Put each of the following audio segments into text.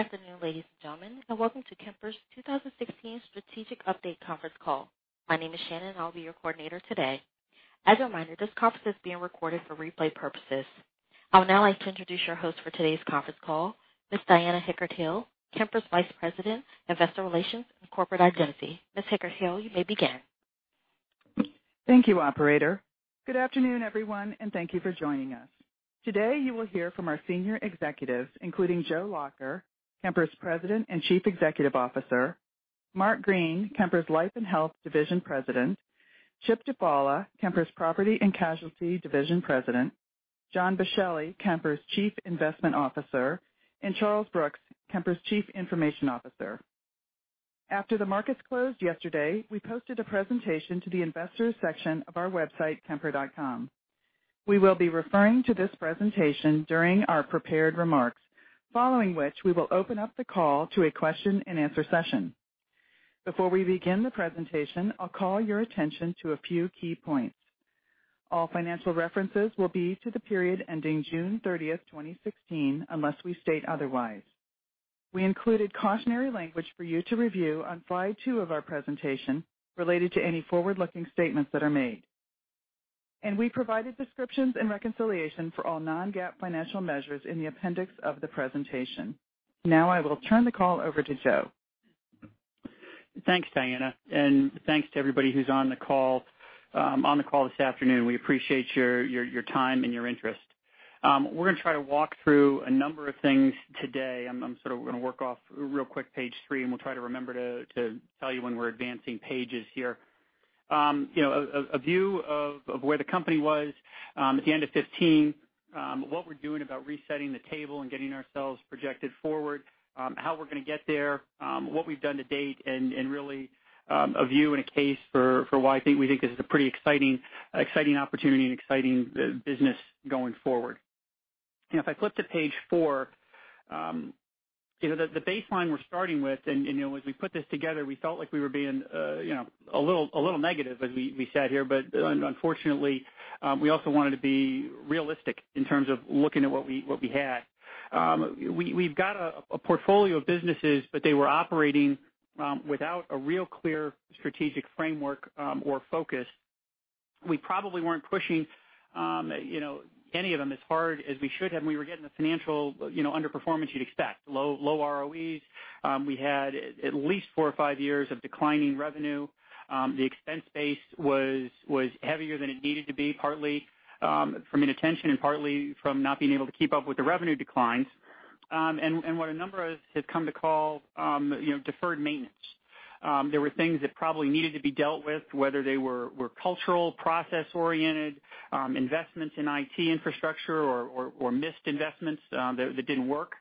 Good afternoon, ladies and gentlemen. Welcome to Kemper's 2016 strategic update conference call. My name is Shannon. I'll be your coordinator today. As a reminder, this conference is being recorded for replay purposes. I would now like to introduce your host for today's conference call, Ms. Diana Hickertill, Kemper's Vice President, Investor Relations and Corporate Identity. Ms. Hickertill, you may begin. Thank you, operator. Good afternoon, everyone. Thank you for joining us. Today, you will hear from our senior executives, including Joe Lacher, Kemper's President and Chief Executive Officer, Mark Green, Kemper's Life and Health Division President, Chip DiPaula, Kemper's Property and Casualty Division President, John Boschelli, Kemper's Chief Investment Officer, and Charles Brooks, Kemper's Chief Information Officer. After the markets closed yesterday, we posted a presentation to the investors section of our website, kemper.com. We will be referring to this presentation during our prepared remarks, following which we will open up the call to a question and answer session. Before we begin the presentation, I'll call your attention to a few key points. All financial references will be to the period ending June 30th, 2016, unless we state otherwise. We included cautionary language for you to review on slide two of our presentation related to any forward-looking statements that are made. We provided descriptions and reconciliation for all non-GAAP financial measures in the appendix of the presentation. Now I will turn the call over to Joe. Thanks, Diana. Thanks to everybody who's on the call this afternoon. We appreciate your time and your interest. We're going to try to walk through a number of things today. We're going to work off real quick page three. We'll try to remember to tell you when we're advancing pages here. A view of where the company was at the end of 2015, what we're doing about resetting the table and getting ourselves projected forward, how we're going to get there, what we've done to date. Really, a view and a case for why I think we think this is a pretty exciting opportunity and exciting business going forward. If I flip to page four, the baseline we're starting with, as we put this together, we felt like we were being a little negative as we sat here, unfortunately, we also wanted to be realistic in terms of looking at what we had. We've got a portfolio of businesses, they were operating without a real clear strategic framework or focus. We probably weren't pushing any of them as hard as we should have, we were getting the financial underperformance you'd expect. Low ROEs. We had at least four or five years of declining revenue. The expense base was heavier than it needed to be, partly from inattention and partly from not being able to keep up with the revenue declines. What a number of us have come to call deferred maintenance. There were things that probably needed to be dealt with, whether they were cultural, process-oriented, investments in IT infrastructure or missed investments that didn't work.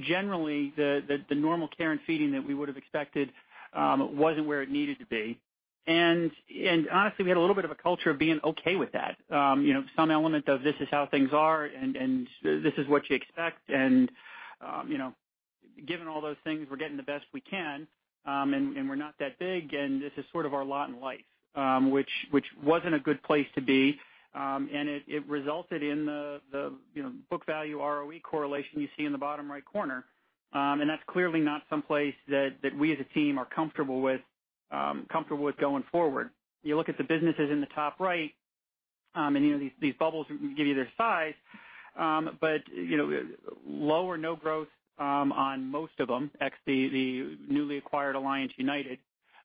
Generally, the normal care and feeding that we would've expected wasn't where it needed to be. Honestly, we had a little bit of a culture of being okay with that. Some element of, this is how things are, this is what you expect, given all those things, we're getting the best we can, we're not that big, this is sort of our lot in life, which wasn't a good place to be. It resulted in the book value ROE correlation you see in the bottom right corner. That's clearly not someplace that we as a team are comfortable with going forward. You look at the businesses in the top right, these bubbles give you their size. Low or no growth on most of them, ex the newly acquired Alliance United.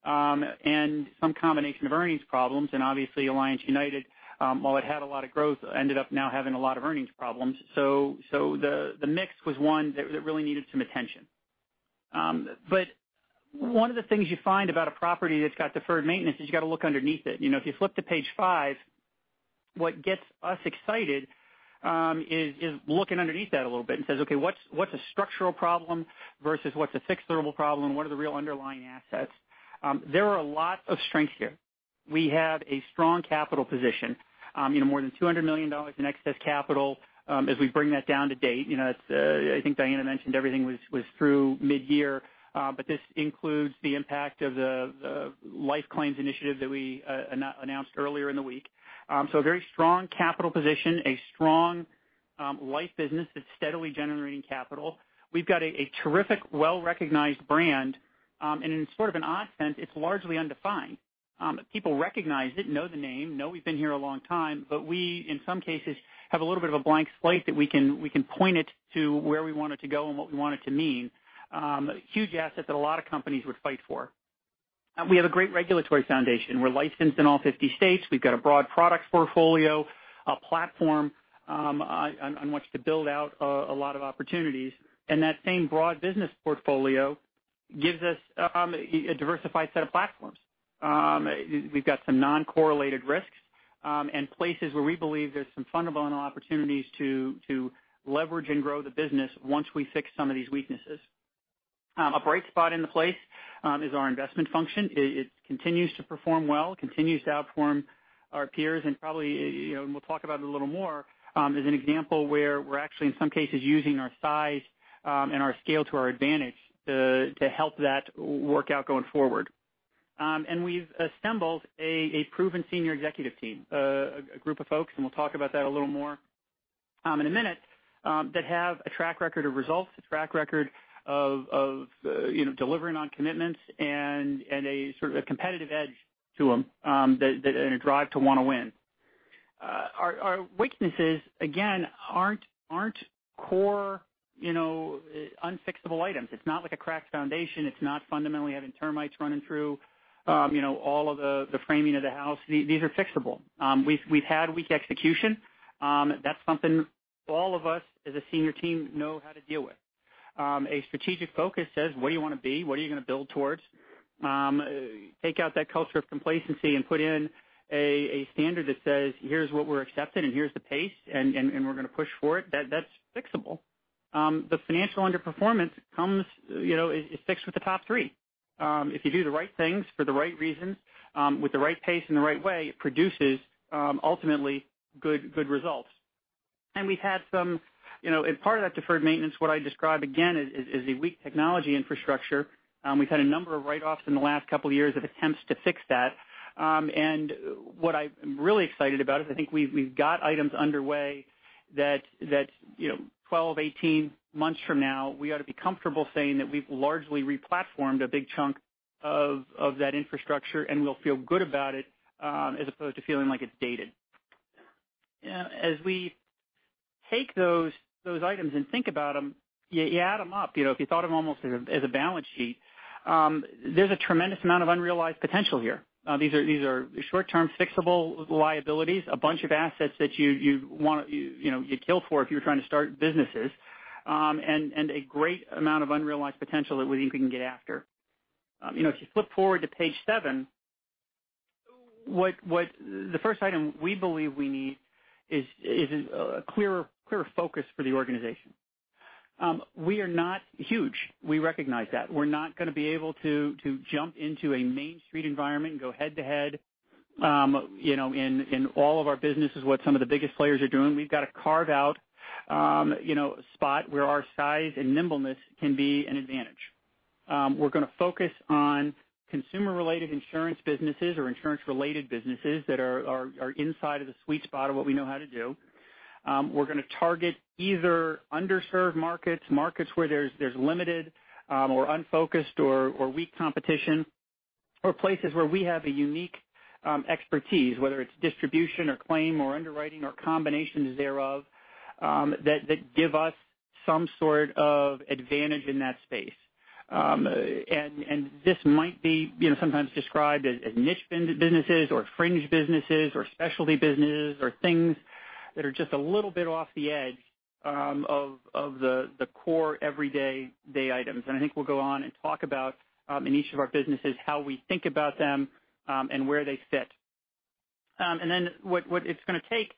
Some combination of earnings problems and obviously Alliance United, while it had a lot of growth, ended up now having a lot of earnings problems. The mix was one that really needed some attention. One of the things you find about a property that's got deferred maintenance is you got to look underneath it. If you flip to page five, what gets us excited is looking underneath that a little bit and says, okay, what's a structural problem versus what's a fixable problem? What are the real underlying assets? There are a lot of strengths here. We have a strong capital position, more than $200 million in excess capital as we bring that down to date. I think Diana mentioned everything was through mid-year. This includes the impact of the life claims initiative that we announced earlier in the week. A very strong capital position, a strong life business that's steadily generating capital. We've got a terrific, well-recognized brand. In sort of an odd sense, it's largely undefined. People recognize it, know the name, know we've been here a long time, we, in some cases, have a little bit of a blank slate that we can point it to where we want it to go and what we want it to mean. Huge asset that a lot of companies would fight for. We have a great regulatory foundation. We're licensed in all 50 states. We've got a broad product portfolio, a platform on which to build out a lot of opportunities. That same broad business portfolio gives us a diversified set of platforms. We've got some non-correlated risks and places where we believe there's some fundamental opportunities to leverage and grow the business once we fix some of these weaknesses. A bright spot in the place is our investment function. It continues to perform well, continues to outperform our peers, and probably, we'll talk about it a little more, is an example where we're actually in some cases using our size and our scale to our advantage to help that work out going forward. We've assembled a proven senior executive team, a group of folks, and we'll talk about that a little more in a minute, that have a track record of results, a track record of delivering on commitments, and a sort of a competitive edge to them, and a drive to want to win. Our weaknesses, again, aren't core unfixable items. It's not like a cracked foundation. It's not fundamentally having termites running through all of the framing of the house. These are fixable. We've had weak execution. That's something all of us as a senior team know how to deal with. A strategic focus says, where do you want to be? What are you going to build towards? Take out that culture of complacency and put in a standard that says, here's what we're accepting, and here's the pace, and we're going to push for it. That's fixable. The financial underperformance comes, it sticks with the top three. If you do the right things for the right reasons, with the right pace and the right way, it produces, ultimately, good results. We've had part of that deferred maintenance, what I describe again, is a weak technology infrastructure. We've had a number of write-offs in the last couple of years of attempts to fix that. What I'm really excited about is I think we've got items underway that 12, 18 months from now, we ought to be comfortable saying that we've largely replatformed a big chunk of that infrastructure, and we'll feel good about it, as opposed to feeling like it's dated. As we take those items and think about them, you add them up. If you thought of them almost as a balance sheet, there's a tremendous amount of unrealized potential here. These are short-term fixable liabilities, a bunch of assets that you'd kill for if you were trying to start businesses, and a great amount of unrealized potential that we think we can get after. If you flip forward to page seven, the first item we believe we need is a clearer focus for the organization. We are not huge. We recognize that. We're not going to be able to jump into a Main Street environment and go head-to-head, in all of our businesses, what some of the biggest players are doing. We've got to carve out a spot where our size and nimbleness can be an advantage. We're going to focus on consumer-related insurance businesses or insurance-related businesses that are inside of the sweet spot of what we know how to do. We're going to target either underserved markets where there's limited or unfocused or weak competition, or places where we have a unique expertise, whether it's distribution or claim or underwriting or combinations thereof, that give us some sort of advantage in that space. This might be sometimes described as niche businesses or fringe businesses or specialty businesses or things that are just a little bit off the edge of the core everyday day items. I think we'll go on and talk about, in each of our businesses, how we think about them, and where they fit. What it's going to take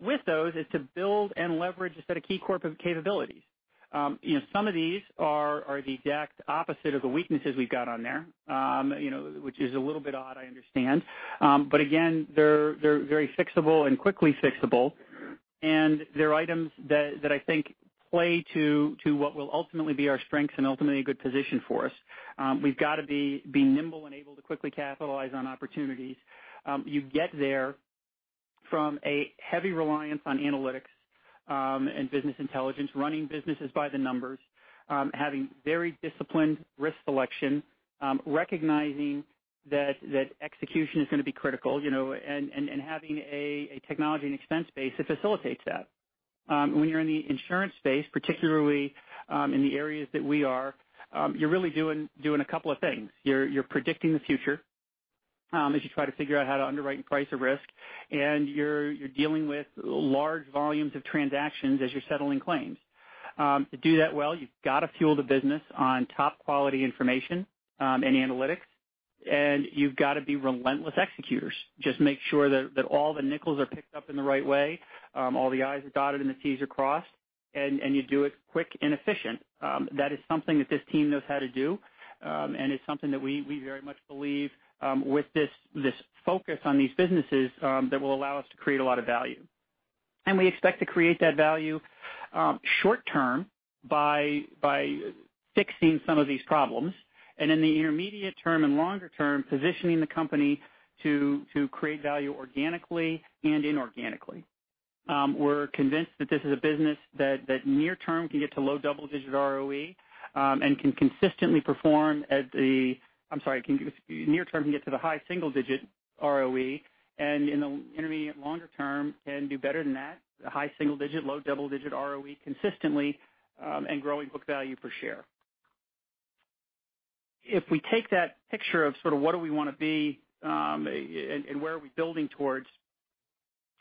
with those is to build and leverage a set of key corporate capabilities. Some of these are the exact opposite of the weaknesses we've got on there, which is a little bit odd, I understand. Again, they're very fixable and quickly fixable, and they're items that I think play to what will ultimately be our strengths and ultimately a good position for us. We've got to be nimble and able to quickly capitalize on opportunities. You get there from a heavy reliance on analytics and business intelligence, running businesses by the numbers, having very disciplined risk selection, recognizing that execution is going to be critical, and having a technology and expense base that facilitates that. When you're in the insurance space, particularly in the areas that we are, you're really doing a couple of things. You're predicting the future as you try to figure out how to underwrite and price a risk. You're dealing with large volumes of transactions as you're settling claims. To do that well, you've got to fuel the business on top-quality information and analytics, and you've got to be relentless executors. Just make sure that all the nickels are picked up in the right way, all the I's are dotted and the T's are crossed, and you do it quick and efficient. That is something that this team knows how to do, and it's something that we very much believe, with this focus on these businesses, that will allow us to create a lot of value. We expect to create that value short-term by fixing some of these problems, and in the intermediate term and longer term, positioning the company to create value organically and inorganically. We're convinced that this is a business that near-term can get to low double-digit ROE, near-term can get to the high single-digit ROE, and in the intermediate longer term can do better than that. High single digit, low double-digit ROE consistently, and growing book value per share. If we take that picture of sort of what do we want to be, and where are we building towards,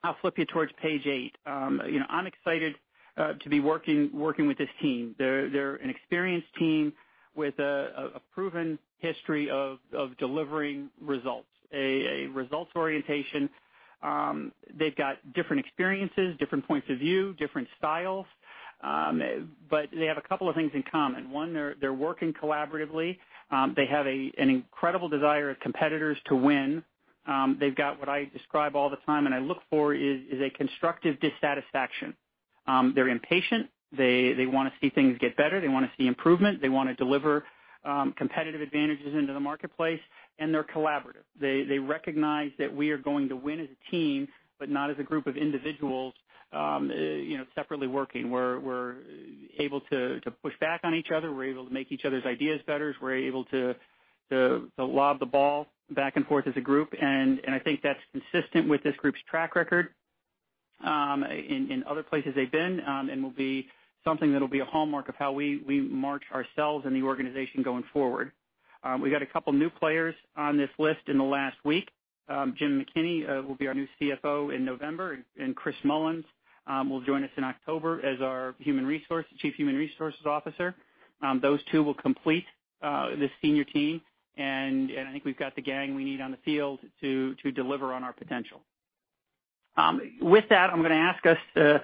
I'll flip you towards page eight. I'm excited to be working with this team. They're an experienced team with a proven history of delivering results, a results orientation. They've got different experiences, different points of view, different styles. They have a couple of things in common. One, they're working collaboratively. They have an incredible desire as competitors to win. They've got what I describe all the time and I look for is a constructive dissatisfaction. They're impatient. They want to see things get better. They want to see improvement. They want to deliver competitive advantages into the marketplace, they're collaborative. They recognize that we are going to win as a team, but not as a group of individuals separately working. We're able to push back on each other. We're able to make each other's ideas better. We're able to lob the ball back and forth as a group. I think that's consistent with this group's track record in other places they've been and will be something that'll be a hallmark of how we march ourselves and the organization going forward. We got a couple new players on this list in the last week. Jim McKinney will be our new CFO in November, and Chris Mullins will join us in October as our Chief Human Resources Officer. Those two will complete the senior team, and I think we've got the gang we need on the field to deliver on our potential. With that, I'm going to ask us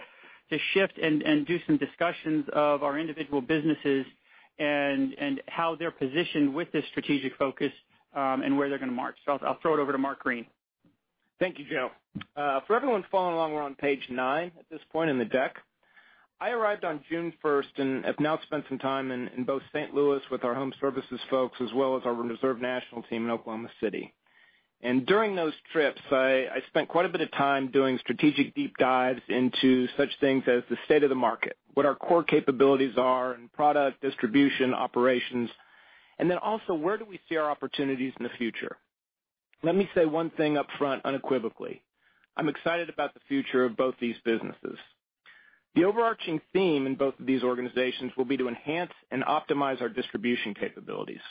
to shift and do some discussions of our individual businesses and how they're positioned with this strategic focus, and where they're going to march. I'll throw it over to Mark Green. Thank you, Joe. For everyone following along, we're on page nine at this point in the deck. I arrived on June 1st and have now spent some time in both St. Louis with our Kemper Home Service folks as well as our Reserve National team in Oklahoma City. During those trips, I spent quite a bit of time doing strategic deep dives into such things as the state of the market, what our core capabilities are in product distribution operations, also where do we see our opportunities in the future. Let me say one thing up front unequivocally. I'm excited about the future of both these businesses. The overarching theme in both of these organizations will be to enhance and optimize our distribution capabilities.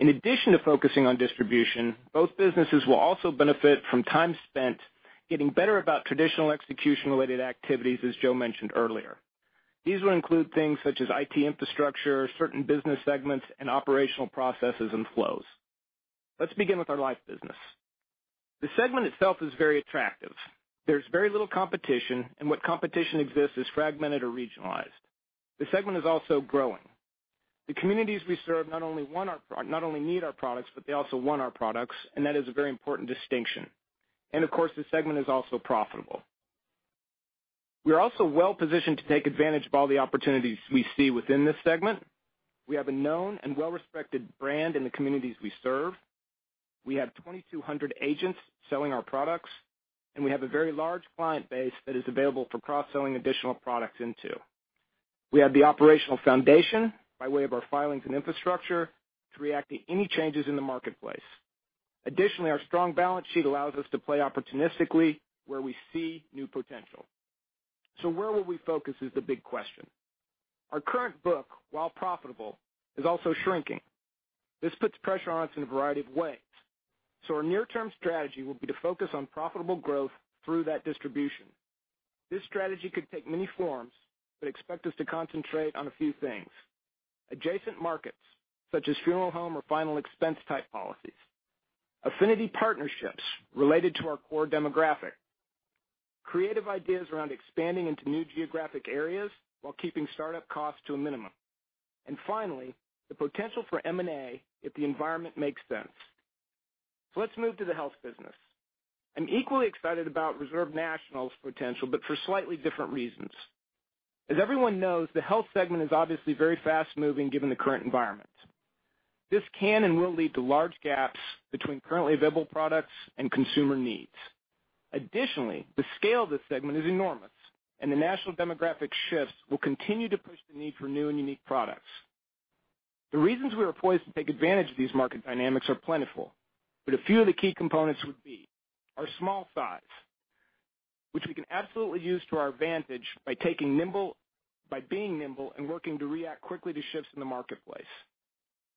In addition to focusing on distribution, both businesses will also benefit from time spent getting better about traditional execution-related activities, as Joe mentioned earlier. These will include things such as IT infrastructure, certain business segments, and operational processes and flows. Let's begin with our life business. The segment itself is very attractive. There's very little competition, and what competition exists is fragmented or regionalized. The segment is also growing. The communities we serve not only need our products, but they also want our products, and that is a very important distinction. Of course, this segment is also profitable. We're also well-positioned to take advantage of all the opportunities we see within this segment. We have a known and well-respected brand in the communities we serve. We have 2,200 agents selling our products, and we have a very large client base that is available for cross-selling additional products into. We have the operational foundation by way of our filings and infrastructure to react to any changes in the marketplace. Additionally, our strong balance sheet allows us to play opportunistically where we see new potential. Where will we focus is the big question. Our current book, while profitable, is also shrinking. This puts pressure on us in a variety of ways. Our near-term strategy will be to focus on profitable growth through that distribution. This strategy could take many forms, but expect us to concentrate on a few things. Adjacent markets, such as funeral home or final expense type policies. Affinity partnerships related to our core demographic. Creative ideas around expanding into new geographic areas while keeping startup costs to a minimum. Finally, the potential for M&A if the environment makes sense. Let's move to the health business. I'm equally excited about Reserve National's potential, but for slightly different reasons. As everyone knows, the health segment is obviously very fast-moving given the current environment. This can and will lead to large gaps between currently available products and consumer needs. Additionally, the scale of this segment is enormous, and the national demographic shifts will continue to push the need for new and unique products. The reasons we are poised to take advantage of these market dynamics are plentiful, but a few of the key components would be our small size, which we can absolutely use to our advantage by being nimble and working to react quickly to shifts in the marketplace.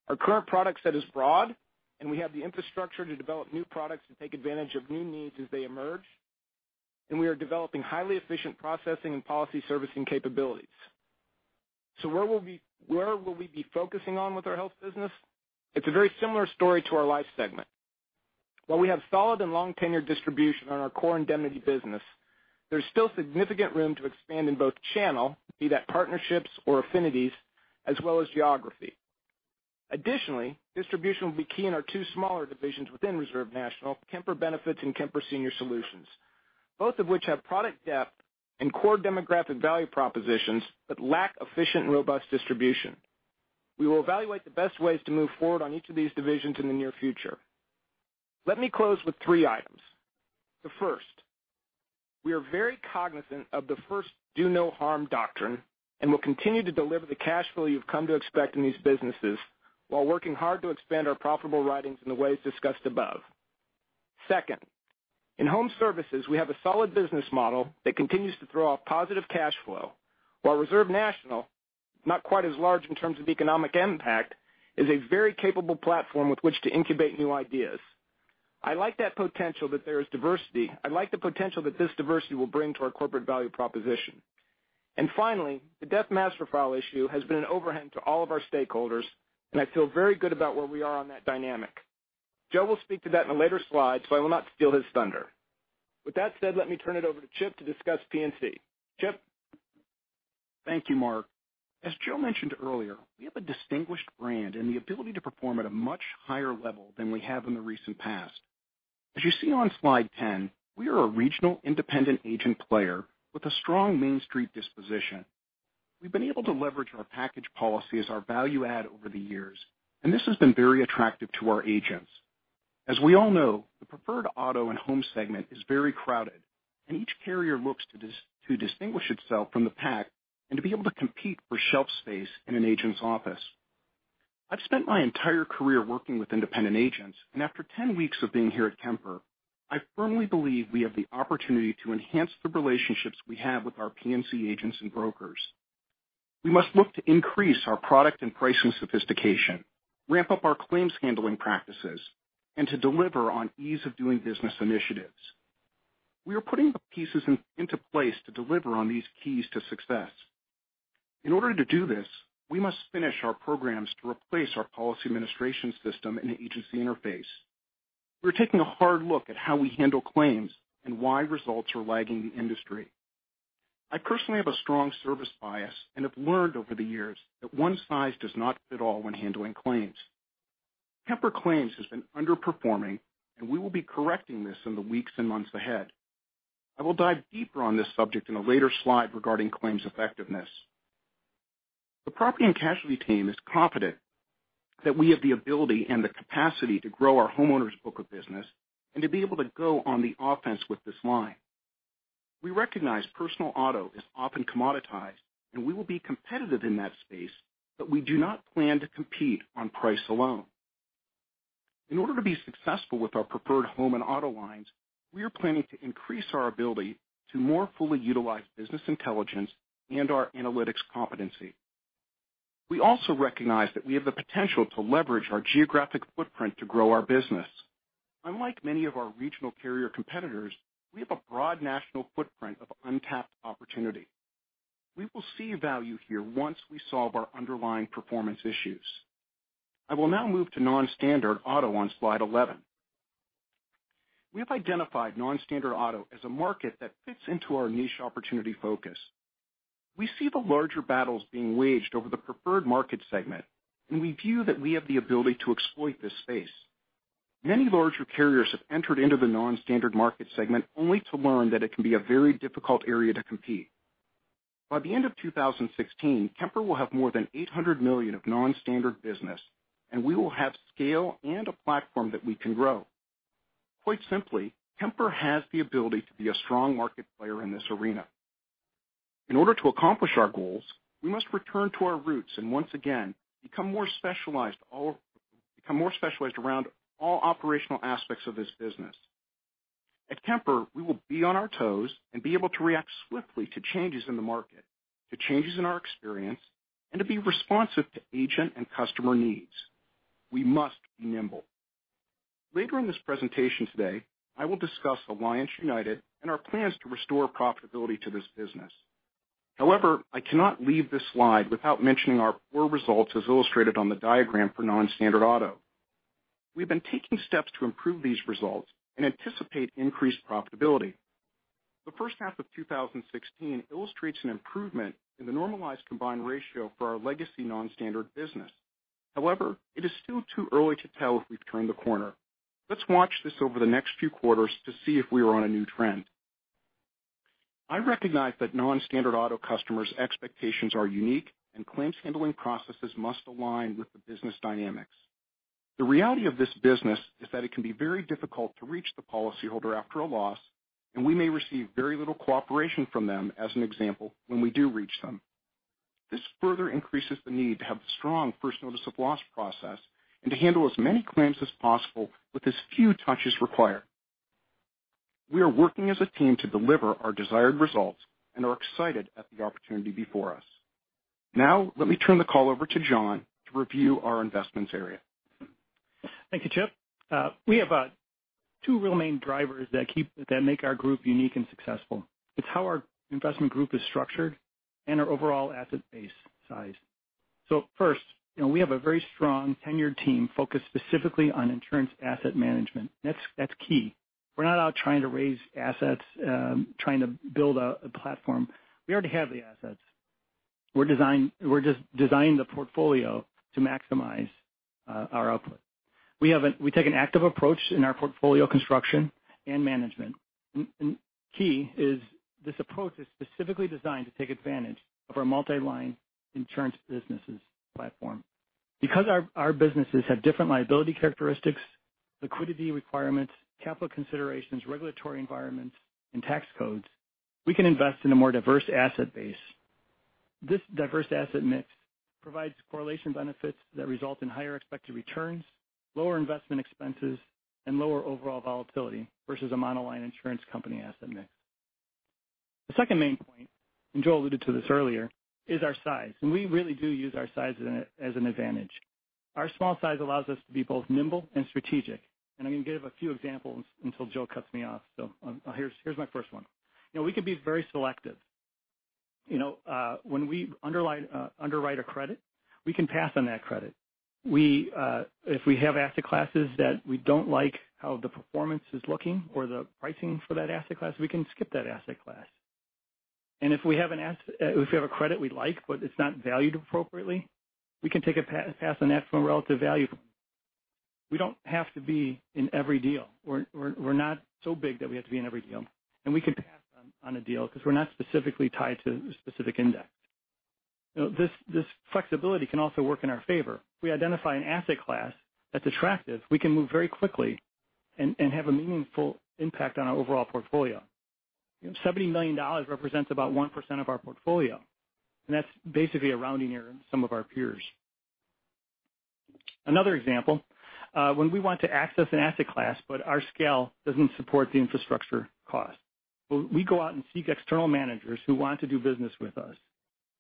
Our current product set is broad, and we have the infrastructure to develop new products and take advantage of new needs as they emerge. We are developing highly efficient processing and policy servicing capabilities. Where will we be focusing on with our health business? It's a very similar story to our life segment. While we have solid and long tenure distribution on our core indemnity business, there's still significant room to expand in both channel, be that partnerships or affinities, as well as geography. Additionally, distribution will be key in our two smaller divisions within Reserve National, Kemper Benefits and Kemper Senior Solutions, both of which have product depth and core demographic value propositions, but lack efficient and robust distribution. We will evaluate the best ways to move forward on each of these divisions in the near future. Let me close with three items. The first, we are very cognizant of the first do no harm doctrine and will continue to deliver the cash flow you've come to expect in these businesses while working hard to expand our profitable writings in the ways discussed above. Second, in Kemper Home Service, we have a solid business model that continues to throw off positive cash flow, while Reserve National, not quite as large in terms of economic impact, is a very capable platform with which to incubate new ideas. I like the potential that this diversity will bring to our corporate value proposition. Finally, the Death Master File issue has been an overhang to all of our stakeholders, and I feel very good about where we are on that dynamic. Joe will speak to that in a later slide, so I will not steal his thunder. With that said, let me turn it over to Chip to discuss P&C. Chip? Thank you, Mark. As Joe mentioned earlier, we have a distinguished brand and the ability to perform at a much higher level than we have in the recent past. As you see on slide 10, we are a regional independent agent player with a strong Main Street disposition. We've been able to leverage our package policy as our value add over the years, and this has been very attractive to our agents. As we all know, the preferred auto and home segment is very crowded, and each carrier looks to distinguish itself from the pack and to be able to compete for shelf space in an agent's office. I've spent my entire career working with independent agents, and after 10 weeks of being here at Kemper, I firmly believe we have the opportunity to enhance the relationships we have with our P&C agents and brokers. We must look to increase our product and pricing sophistication, ramp up our claims handling practices, and to deliver on ease of doing business initiatives. We are putting the pieces into place to deliver on these keys to success. In order to do this, we must finish our programs to replace our policy administration system and the agency interface. We're taking a hard look at how we handle claims and why results are lagging the industry. I personally have a strong service bias and have learned over the years that one size does not fit all when handling claims. Kemper claims has been underperforming, and we will be correcting this in the weeks and months ahead. I will dive deeper on this subject in a later slide regarding claims effectiveness. The property and casualty team is confident that we have the ability and the capacity to grow our homeowners book of business and to be able to go on the offense with this line. We recognize personal auto is often commoditized, and we will be competitive in that space, but we do not plan to compete on price alone. In order to be successful with our preferred home and auto lines, we are planning to increase our ability to more fully utilize business intelligence and our analytics competency. We also recognize that we have the potential to leverage our geographic footprint to grow our business. Unlike many of our regional carrier competitors, we have a broad national footprint of untapped opportunity. We will see value here once we solve our underlying performance issues. I will now move to non-standard auto on slide 11. We have identified non-standard auto as a market that fits into our niche opportunity focus. We see the larger battles being waged over the preferred market segment, and we view that we have the ability to exploit this space. Many larger carriers have entered into the non-standard market segment, only to learn that it can be a very difficult area to compete. By the end of 2016, Kemper will have more than $800 million of non-standard business, and we will have scale and a platform that we can grow. Quite simply, Kemper has the ability to be a strong market player in this arena. In order to accomplish our goals, we must return to our roots and once again become more specialized around all operational aspects of this business. At Kemper, we will be on our toes and be able to react swiftly to changes in the market, to changes in our experience, and to be responsive to agent and customer needs. We must be nimble. Later in this presentation today, I will discuss Alliance United and our plans to restore profitability to this business. I cannot leave this slide without mentioning our poor results as illustrated on the diagram for non-standard auto. We've been taking steps to improve these results and anticipate increased profitability. The first half of 2016 illustrates an improvement in the normalized combined ratio for our legacy non-standard business. It is still too early to tell if we've turned the corner. Let's watch this over the next few quarters to see if we are on a new trend. I recognize that non-standard auto customers' expectations are unique, and claims handling processes must align with the business dynamics. The reality of this business is that it can be very difficult to reach the policyholder after a loss, and we may receive very little cooperation from them, as an example, when we do reach them. This further increases the need to have a strong first notice of loss process and to handle as many claims as possible with as few touches required. We are working as a team to deliver our desired results and are excited at the opportunity before us. Now, let me turn the call over to John to review our investments area. Thank you, Chip. We have two real main drivers that make our group unique and successful. It's how our investment group is structured and our overall asset base size. First, we have a very strong tenured team focused specifically on insurance asset management. That's key. We're not out trying to raise assets, trying to build a platform. We already have the assets. We're designed the portfolio to maximize our output. We take an active approach in our portfolio construction and management. Key is this approach is specifically designed to take advantage of our multi-line insurance businesses platform. Because our businesses have different liability characteristics, liquidity requirements, capital considerations, regulatory environments, and tax codes, we can invest in a more diverse asset base. This diverse asset mix provides correlation benefits that result in higher expected returns, lower investment expenses, and lower overall volatility versus a monoline insurance company asset mix. The second main point, Joe alluded to this earlier, is our size, and we really do use our size as an advantage. Our small size allows us to be both nimble and strategic, I'm going to give a few examples until Joe cuts me off. Here's my first one. We can be very selective. When we underwrite a credit, we can pass on that credit If we have asset classes that we don't like how the performance is looking or the pricing for that asset class, we can skip that asset class. If we have a credit we like, but it's not valued appropriately, we can take a pass on that from a relative value. We don't have to be in every deal. We're not so big that we have to be in every deal, we could pass on a deal because we're not specifically tied to a specific index. This flexibility can also work in our favor. If we identify an asset class that's attractive, we can move very quickly and have a meaningful impact on our overall portfolio. $70 million represents about 1% of our portfolio, that's basically a rounding error in some of our peers. Another example, when we want to access an asset class but our scale doesn't support the infrastructure cost, we go out and seek external managers who want to do business with us.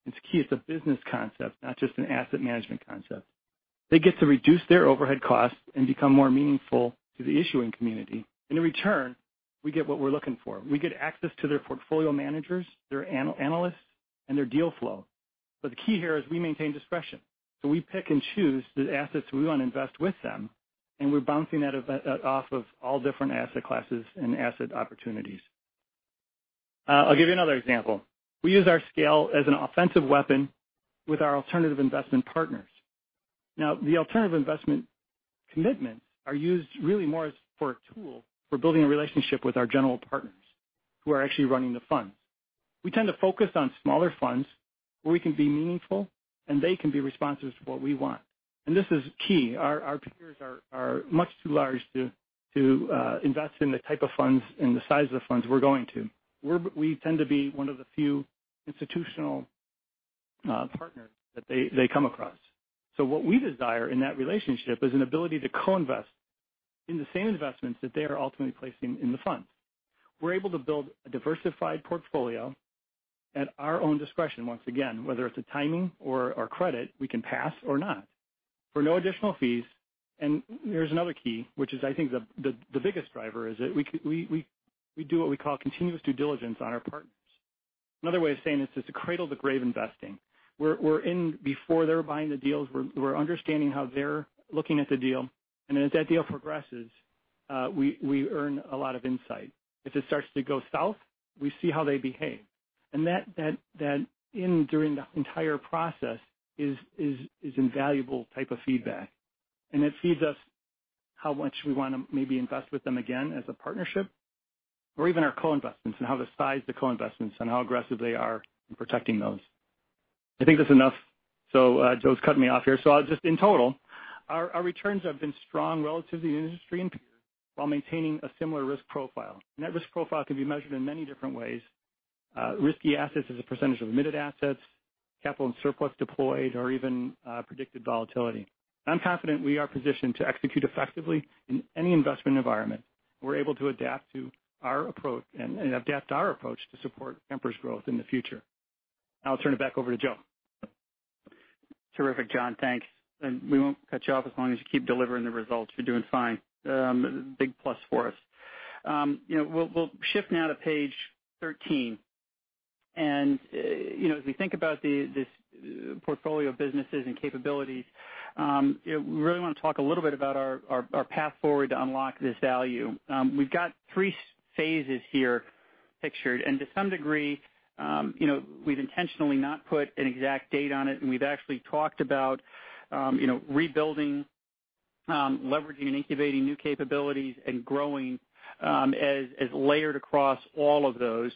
It's key. It's a business concept, not just an asset management concept. They get to reduce their overhead costs and become more meaningful to the issuing community. In return, we get what we're looking for. We get access to their portfolio managers, their analysts, and their deal flow. The key here is we maintain discretion. We pick and choose the assets we want to invest with them, and we're bouncing that off of all different asset classes and asset opportunities. I'll give you another example. We use our scale as an offensive weapon with our alternative investment partners. The alternative investment commitments are used really more for a tool for building a relationship with our general partners who are actually running the funds. We tend to focus on smaller funds where we can be meaningful, and they can be responsive to what we want. This is key. Our peers are much too large to invest in the type of funds and the size of the funds we're going to. We tend to be one of the few institutional partners that they come across. What we desire in that relationship is an ability to co-invest in the same investments that they are ultimately placing in the fund. We're able to build a diversified portfolio at our own discretion. Once again, whether it's a timing or a credit, we can pass or not for no additional fees. Here's another key, which is I think the biggest driver, is that we do what we call continuous due diligence on our partners. Another way of saying this is cradle-to-grave investing. We're in before they're buying the deals. We're understanding how they're looking at the deal. As that deal progresses, we earn a lot of insight. If it starts to go south, we see how they behave. That, during the entire process, is invaluable type of feedback. It feeds us how much we want to maybe invest with them again as a partnership or even our co-investments and how to size the co-investments and how aggressive they are in protecting those. I think that's enough. Joe's cutting me off here. Just in total, our returns have been strong relative to the industry and peers while maintaining a similar risk profile. That risk profile can be measured in many different ways. Risky assets as a percentage of admitted assets, capital and surplus deployed, or even predicted volatility. I'm confident we are positioned to execute effectively in any investment environment. We're able to adapt our approach to support Kemper's growth in the future. I'll turn it back over to Joe. Terrific, John. Thanks. We won't cut you off as long as you keep delivering the results. You're doing fine. Big plus for us. We'll shift now to page 13. As we think about this portfolio of businesses and capabilities, we really want to talk a little bit about our path forward to unlock this value. We've got 3 phases here pictured. To some degree, we've intentionally not put an exact date on it, and we've actually talked about rebuilding, leveraging, and incubating new capabilities and growing as layered across all of those.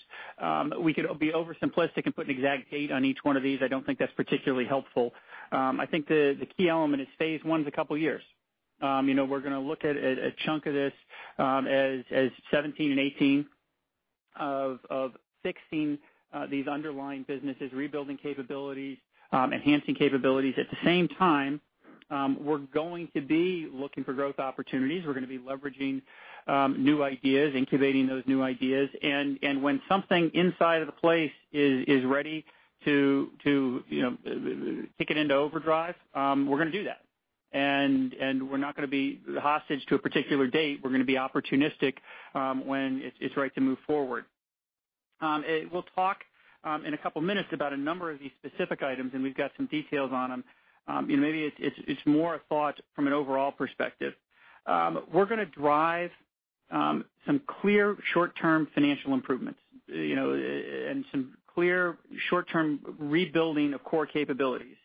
We could be over simplistic and put an exact date on each one of these. I don't think that's particularly helpful. I think the key element is phase 1's a couple of years. We're going to look at a chunk of this as 2017 and 2018 of fixing these underlying businesses, rebuilding capabilities, enhancing capabilities. At the same time, we're going to be looking for growth opportunities. We're going to be leveraging new ideas, incubating those new ideas. When something inside of the place is ready to kick it into overdrive, we're going to do that. We're not going to be hostage to a particular date. We're going to be opportunistic when it's right to move forward. We'll talk in a couple of minutes about a number of these specific items, and we've got some details on them. Maybe it's more a thought from an overall perspective. We're going to drive some clear short-term financial improvements and some clear short-term rebuilding of core capabilities.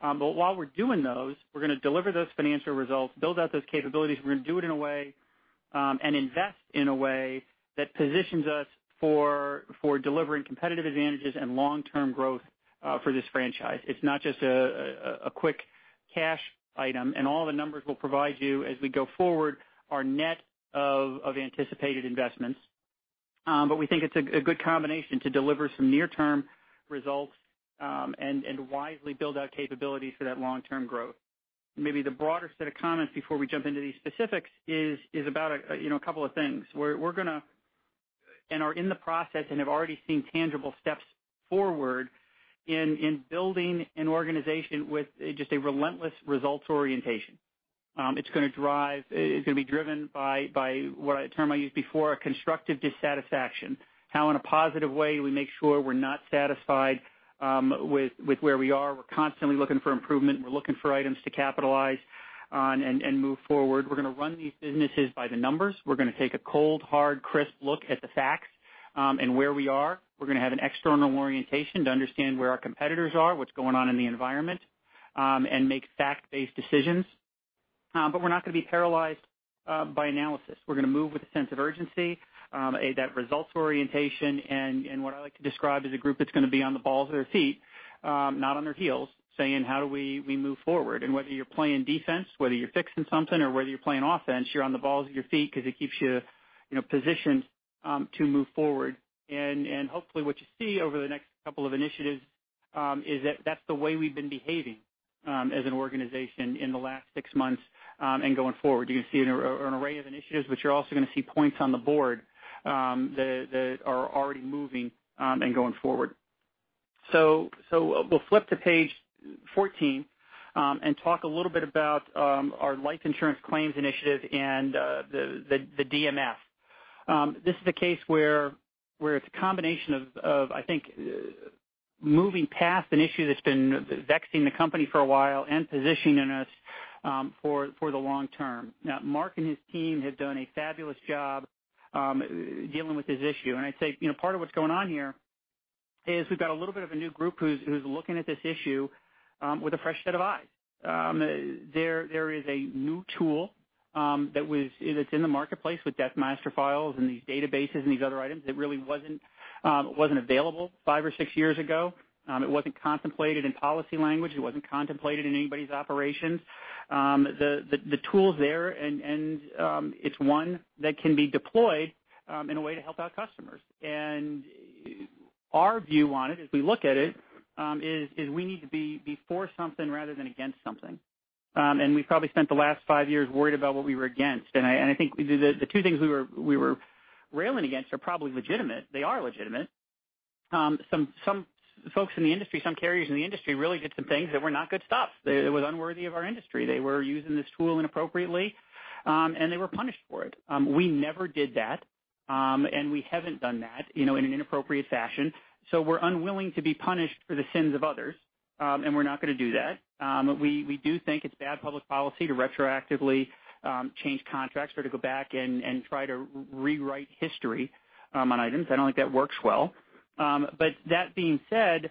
While we're doing those, we're going to deliver those financial results, build out those capabilities. We're going to do it in a way and invest in a way that positions us for delivering competitive advantages and long-term growth for this franchise. It's not just a quick cash item. All the numbers we'll provide you as we go forward are net of anticipated investments. We think it's a good combination to deliver some near-term results and wisely build out capabilities for that long-term growth. Maybe the broader set of comments before we jump into these specifics is about a couple of things. We're going to and are in the process and have already seen tangible steps forward in building an organization with just a relentless results orientation. It's going to be driven by what term I used before, a constructive dissatisfaction. How in a positive way, we make sure we're not satisfied with where we are. We're constantly looking for improvement. We're looking for items to capitalize on and move forward. We're going to run these businesses by the numbers. We're going to take a cold, hard, crisp look at the facts and where we are. We're going to have an external orientation to understand where our competitors are, what's going on in the environment, and make fact-based decisions. We're not going to be paralyzed by analysis. We're going to move with a sense of urgency, that results orientation, and what I like to describe as a group that's going to be on the balls of their feet, not on their heels, saying, "How do we move forward?" Whether you're playing defense, whether you're fixing something, or whether you're playing offense, you're on the balls of your feet because it keeps you positioned to move forward. Hopefully what you see over the next couple of initiatives is that that's the way we've been behaving as an organization in the last six months, and going forward. You're going to see an array of initiatives, but you're also going to see points on the board that are already moving and going forward. We'll flip to page 14, and talk a little bit about our life insurance claims initiative and the DMF. This is a case where it's a combination of, I think, moving past an issue that's been vexing the company for a while and positioning us for the long term. Now, Mark and his team have done a fabulous job dealing with this issue. I'd say, part of what's going on here is we've got a little bit of a new group who's looking at this issue with a fresh set of eyes. There is a new tool that's in the marketplace with Death Master Files and these databases and these other items that really wasn't available five or six years ago. It wasn't contemplated in policy language. It wasn't contemplated in anybody's operations. The tool's there, and it's one that can be deployed in a way to help our customers. Our view on it, as we look at it, is we need to be for something rather than against something. We've probably spent the last five years worried about what we were against. I think the two things we were railing against are probably legitimate. They are legitimate. Some folks in the industry, some carriers in the industry really did some things that were not good stuff. It was unworthy of our industry. They were using this tool inappropriately, and they were punished for it. We never did that. We haven't done that in an inappropriate fashion. We're unwilling to be punished for the sins of others, and we're not going to do that. We do think it's bad public policy to retroactively change contracts or to go back and try to rewrite history on items. I don't think that works well. That being said,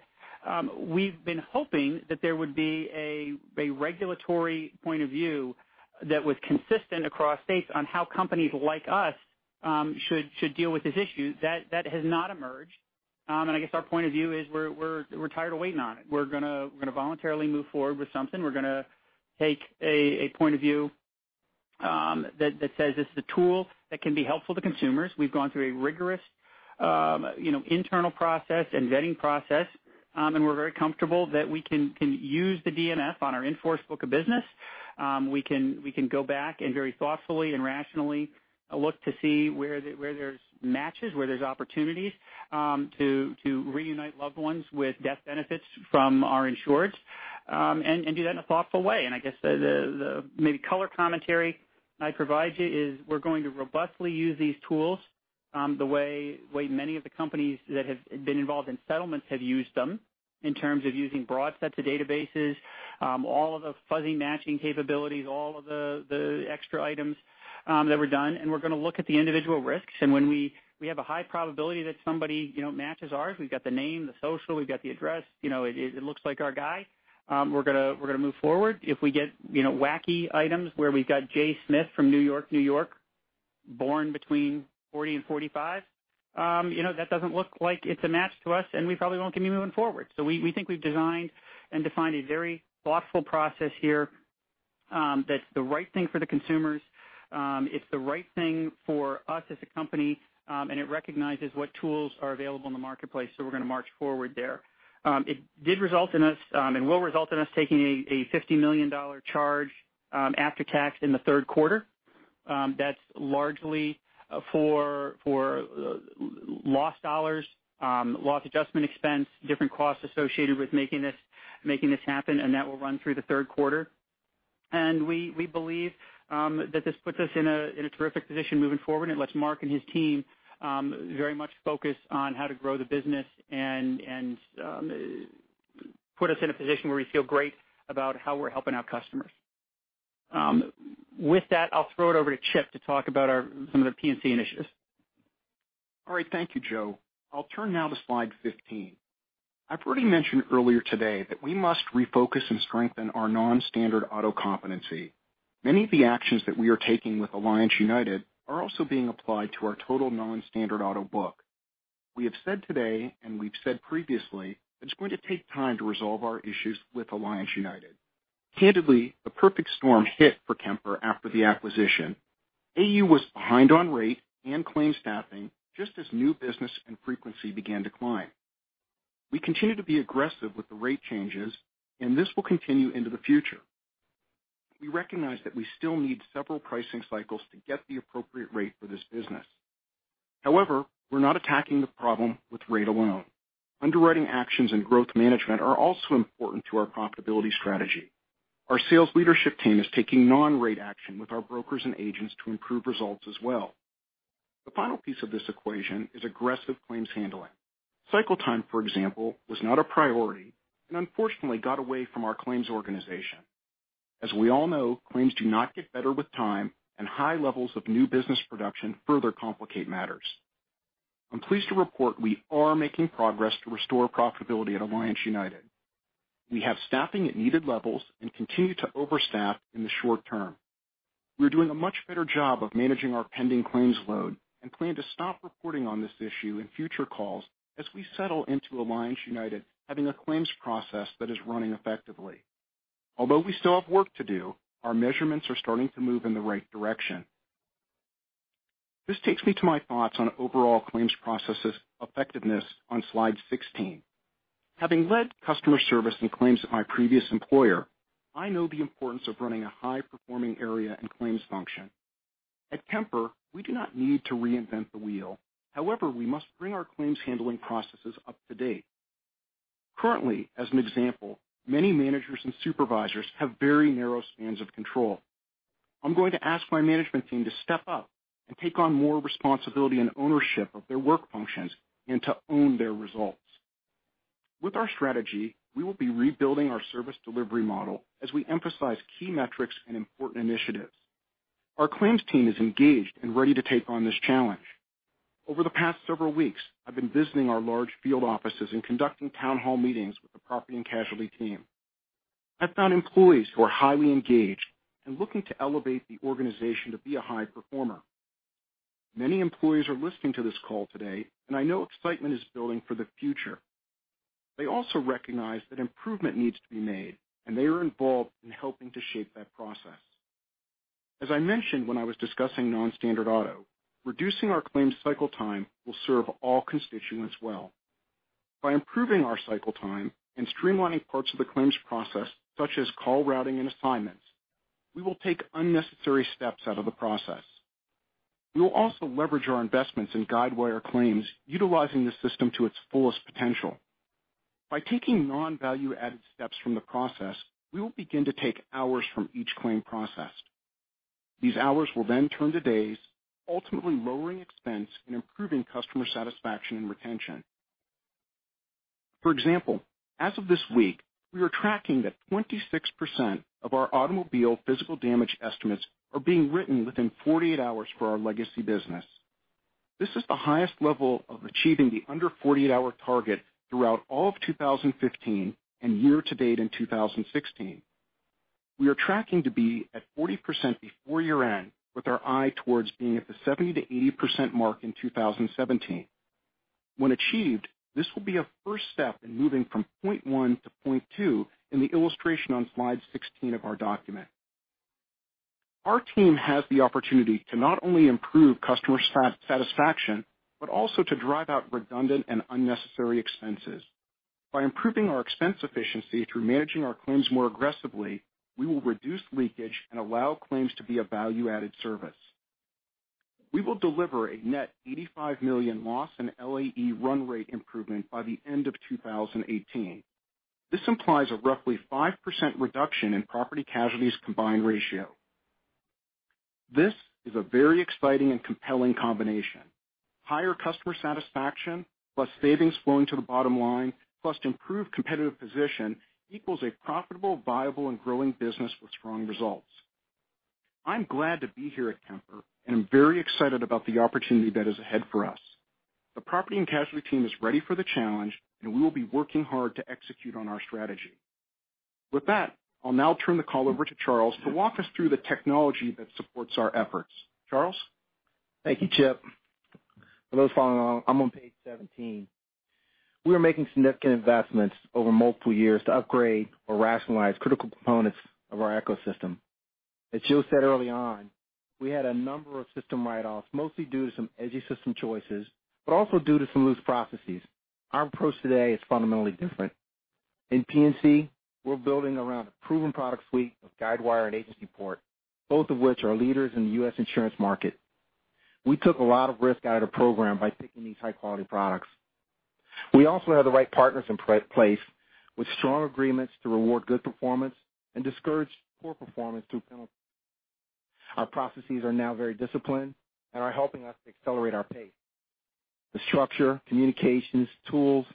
we've been hoping that there would be a regulatory point of view that was consistent across states on how companies like us should deal with this issue. That has not emerged. I guess our point of view is we're tired of waiting on it. We're going to voluntarily move forward with something. We're going to take a point of view that says this is a tool that can be helpful to consumers. We've gone through a rigorous internal process and vetting process. We're very comfortable that we can use the DMF on our in-force book of business. We can go back and very thoughtfully and rationally look to see where there's matches, where there's opportunities to reunite loved ones with death benefits from our insureds, and do that in a thoughtful way. I guess the maybe color commentary I'd provide you is we're going to robustly use these tools the way many of the companies that have been involved in settlements have used them in terms of using broad sets of databases, all of the fuzzy matching capabilities, all of the extra items that were done, and we're going to look at the individual risks. When we have a high probability that somebody matches ours, we've got the name, the social, we've got the address, it looks like our guy, we're going to move forward. If we get wacky items where we've got J. Smith from New York, N.Y., born between 1940 and 1945, that doesn't look like it's a match to us, and we probably won't be moving forward. We think we've designed and defined a very thoughtful process here that's the right thing for the consumers, it's the right thing for us as a company, and it recognizes what tools are available in the marketplace, so we're going to march forward there. It did result in us and will result in us taking a $50 million charge after tax in the third quarter. That's largely for loss dollars, loss adjustment expense, different costs associated with making this happen, that will run through the third quarter. We believe that this puts us in a terrific position moving forward. It lets Mark and his team very much focus on how to grow the business and put us in a position where we feel great about how we're helping our customers. With that, I'll throw it over to Chip to talk about some of the P&C initiatives. All right. Thank you, Joe. I'll turn now to slide 15. I've already mentioned earlier today that we must refocus and strengthen our non-standard auto competency. Many of the actions that we are taking with Alliance United are also being applied to our total non-standard auto book. We have said today, and we've said previously, it's going to take time to resolve our issues with Alliance United. Candidly, a perfect storm hit for Kemper after the acquisition. AU was behind on rate and claim staffing just as new business and frequency began to climb. We continue to be aggressive with the rate changes, and this will continue into the future. We recognize that we still need several pricing cycles to get the appropriate rate for this business. However, we're not attacking the problem with rate alone. Underwriting actions and growth management are also important to our profitability strategy. Our sales leadership team is taking non-rate action with our brokers and agents to improve results as well. The final piece of this equation is aggressive claims handling. Cycle time, for example, was not a priority and unfortunately got away from our claims organization. As we all know, claims do not get better with time, and high levels of new business production further complicate matters. I'm pleased to report we are making progress to restore profitability at Alliance United. We have staffing at needed levels and continue to overstaff in the short term. We're doing a much better job of managing our pending claims load and plan to stop reporting on this issue in future calls as we settle into Alliance United having a claims process that is running effectively. Although we still have work to do, our measurements are starting to move in the right direction. This takes me to my thoughts on overall claims processes effectiveness on slide 16. Having led customer service and claims at my previous employer, I know the importance of running a high-performing area in claims function. At Kemper, we do not need to reinvent the wheel. However, we must bring our claims handling processes up to date. Currently, as an example, many managers and supervisors have very narrow spans of control. I'm going to ask my management team to step up and take on more responsibility and ownership of their work functions and to own their results. With our strategy, we will be rebuilding our service delivery model as we emphasize key metrics and important initiatives. Our claims team is engaged and ready to take on this challenge. Over the past several weeks, I've been visiting our large field offices and conducting town hall meetings with the Property and Casualty team. I've found employees who are highly engaged and looking to elevate the organization to be a high performer. Many employees are listening to this call today, and I know excitement is building for the future. They also recognize that improvement needs to be made, and they are involved in helping to shape that process. As I mentioned when I was discussing non-standard auto, reducing our claims cycle time will serve all constituents well. By improving our cycle time and streamlining parts of the claims process, such as call routing and assignments, we will take unnecessary steps out of the process. We will also leverage our investments in Guidewire claims, utilizing the system to its fullest potential. By taking non-value-added steps from the process, we will begin to take hours from each claim processed. These hours will then turn to days, ultimately lowering expense and improving customer satisfaction and retention. For example, as of this week, we are tracking that 26% of our automobile physical damage estimates are being written within 48 hours for our legacy business. This is the highest level of achieving the under 48-hour target throughout all of 2015 and year to date in 2016. We are tracking to be at 40% before year-end, with our eye towards being at the 70%-80% mark in 2017. When achieved, this will be a first step in moving from point one to point two in the illustration on slide 16 of our document. Our team has the opportunity to not only improve customer satisfaction, but also to drive out redundant and unnecessary expenses. By improving our expense efficiency through managing our claims more aggressively, we will reduce leakage and allow claims to be a value-added service. We will deliver a net $85 million loss in LAE run rate improvement by the end of 2018. This implies a roughly 5% reduction in Property & Casualty's combined ratio. This is a very exciting and compelling combination. Higher customer satisfaction plus savings flowing to the bottom line, plus improved competitive position equals a profitable, viable, and growing business with strong results. I'm glad to be here at Kemper, and I'm very excited about the opportunity that is ahead for us. The Property and Casualty team is ready for the challenge, and we will be working hard to execute on our strategy. With that, I'll now turn the call over to Charles to walk us through the technology that supports our efforts. Charles? Thank you, Chip. For those following along, I'm on page 17. We are making significant investments over multiple years to upgrade or rationalize critical components of our ecosystem. As Joe said early on, we had a number of system write-offs, mostly due to some edgy system choices, but also due to some loose processes. Our approach today is fundamentally different. In P&C, we're building around a proven product suite of Guidewire and AgencyPort, both of which are leaders in the U.S. insurance market. We took a lot of risk out of the program by picking these high-quality products. We also have the right partners in place with strong agreements to reward good performance and discourage poor performance through penalties. Our processes are now very disciplined and are helping us to accelerate our pace. The structure, communications, tools,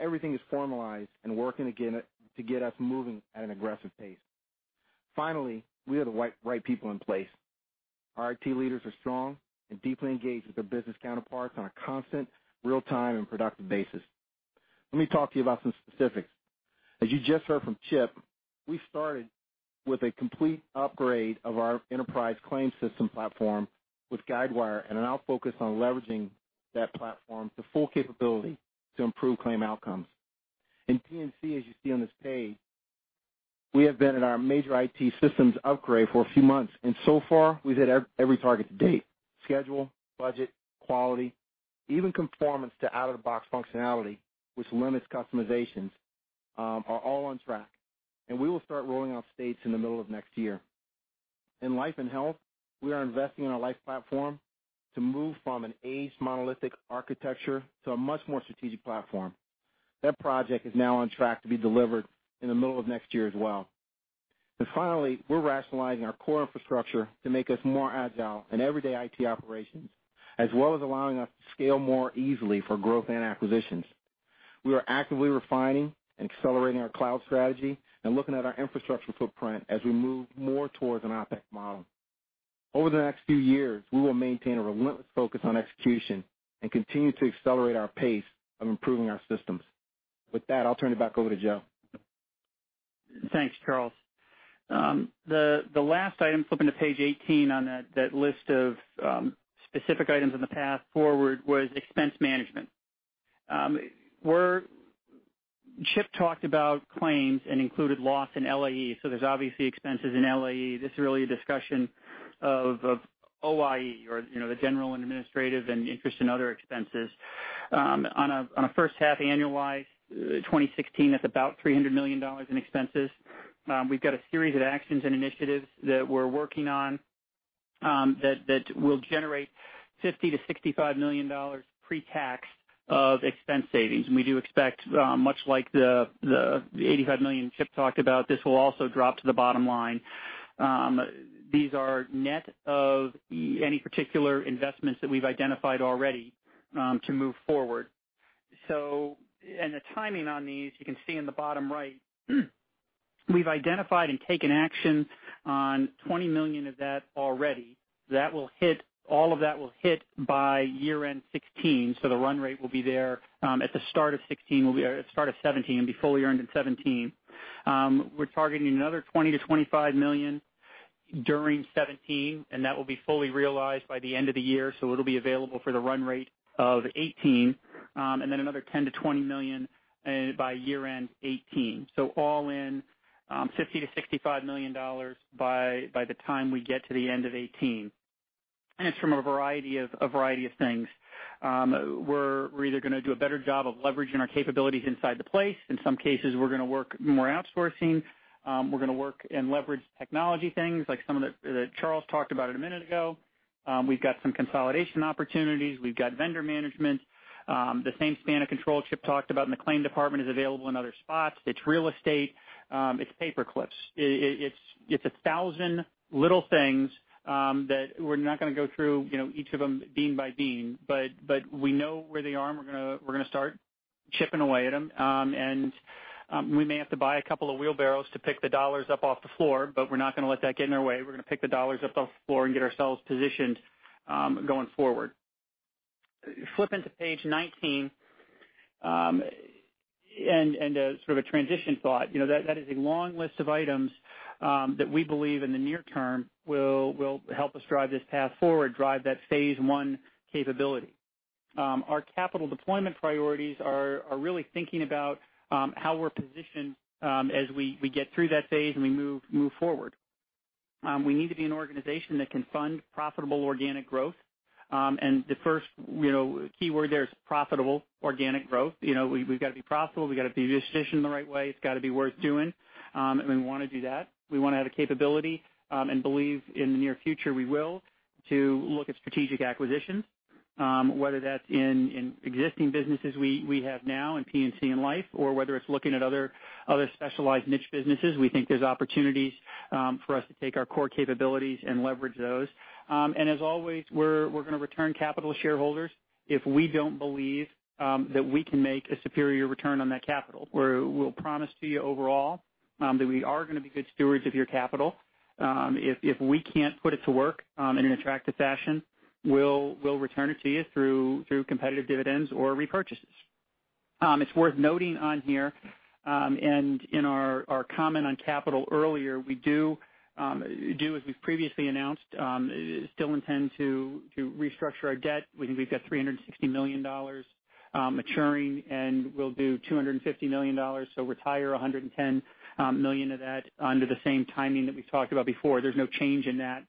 everything is formalized and working to get us moving at an aggressive pace. Finally, we have the right people in place. Our IT leaders are strong and deeply engaged with their business counterparts on a constant, real-time, and productive basis. Let me talk to you about some specifics. As you just heard from Chip, we started with a complete upgrade of our enterprise claims system platform with Guidewire and are now focused on leveraging that platform to full capability to improve claim outcomes. In P&C, as you see on this page, we have been at our major IT systems upgrade for a few months, and so far, we've hit every target to date. Schedule, budget, quality, even conformance to out-of-the-box functionality, which limits customizations, are all on track. We will start rolling out states in the middle of next year. In life and health, we are investing in our life platform to move from an aged monolithic architecture to a much more strategic platform. That project is now on track to be delivered in the middle of next year as well. Finally, we're rationalizing our core infrastructure to make us more agile in everyday IT operations, as well as allowing us to scale more easily for growth and acquisitions. We are actively refining and accelerating our cloud strategy and looking at our infrastructure footprint as we move more towards an OpEx model. Over the next few years, we will maintain a relentless focus on execution and continue to accelerate our pace of improving our systems. With that, I'll turn it back over to Joe. Thanks, Charles. The last item, flipping to page 18 on that list of specific items in the path forward was expense management. Chip talked about claims and included loss in LAE, so there's obviously expenses in LAE. This is really a discussion of OIE or the general administrative and interest and other expenses. On a first half annualized 2016, that's about $300 million in expenses. We've got a series of actions and initiatives that we're working on that will generate $50 million-$65 million pre-tax of expense savings. We do expect, much like the $85 million Chip talked about, this will also drop to the bottom line. These are net of any particular investments that we've identified already to move forward. The timing on these, you can see in the bottom right. We've identified and taken action on $20 million of that already. All of that will hit by year-end 2016, so the run rate will be there at the start of 2017 and be fully earned in 2017. We're targeting another $20 million-$25 million during 2017, that will be fully realized by the end of the year, so it'll be available for the run rate of 2018. Then another $10 million-$20 million by year-end 2018. All in, $50 million-$65 million by the time we get to the end of 2018. It's from a variety of things. We're either going to do a better job of leveraging our capabilities inside the place. In some cases, we're going to work more outsourcing. We're going to work and leverage technology things like some of that Charles talked about a minute ago. We've got some consolidation opportunities. We've got vendor management. The same span of control Chip talked about in the claim department is available in other spots. It's real estate. It's paperclips. It's a thousand little things that we're not going to go through each of them bean by bean, but we know where they are, and we're going to start chipping away at them. We may have to buy a couple of wheelbarrows to pick the dollars up off the floor, but we're not going to let that get in our way. We're going to pick the dollars up off the floor and get ourselves positioned going forward. Flipping to page 19, sort of a transition thought. That is a long list of items that we believe in the near term will help us drive this path forward, drive that phase one capability. Our capital deployment priorities are really thinking about how we're positioned as we get through that phase and we move forward. We need to be an organization that can fund profitable organic growth. The first keyword there is profitable organic growth. We've got to be profitable. We've got to be positioned the right way. It's got to be worth doing. We want to do that. We want to have the capability and believe in the near future, we will to look at strategic acquisitions whether that's in existing businesses we have now in P&C and life, or whether it's looking at other specialized niche businesses. We think there's opportunities for us to take our core capabilities and leverage those. As always, we're going to return capital to shareholders if we don't believe that we can make a superior return on that capital. We'll promise to you overall that we are going to be good stewards of your capital. If we can't put it to work in an attractive fashion, we'll return it to you through competitive dividends or repurchases. It's worth noting on here, and in our comment on capital earlier, we do as we've previously announced, still intend to restructure our debt. We think we've got $360 million maturing, and we'll do $250 million, so retire $110 million of that under the same timing that we've talked about before. There's no change in that,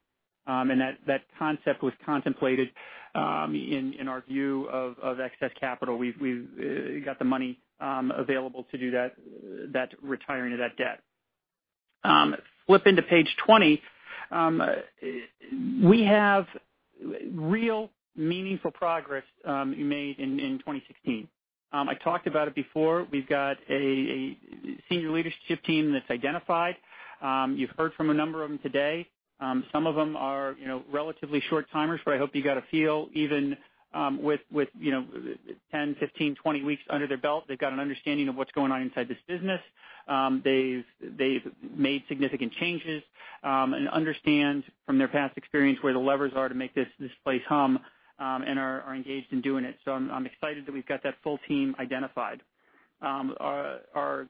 and that concept was contemplated in our view of excess capital. We've got the money available to do that retiring of that debt. Flip into page 20. We have real meaningful progress made in 2016. I talked about it before. We've got a senior leadership team that's identified. You've heard from a number of them today. Some of them are relatively short-timers, but I hope you got a feel even with 10, 15, 20 weeks under their belt. They've got an understanding of what's going on inside this business. They've made significant changes, and understand from their past experience where the levers are to make this place hum, and are engaged in doing it. I'm excited that we've got that full team identified. Our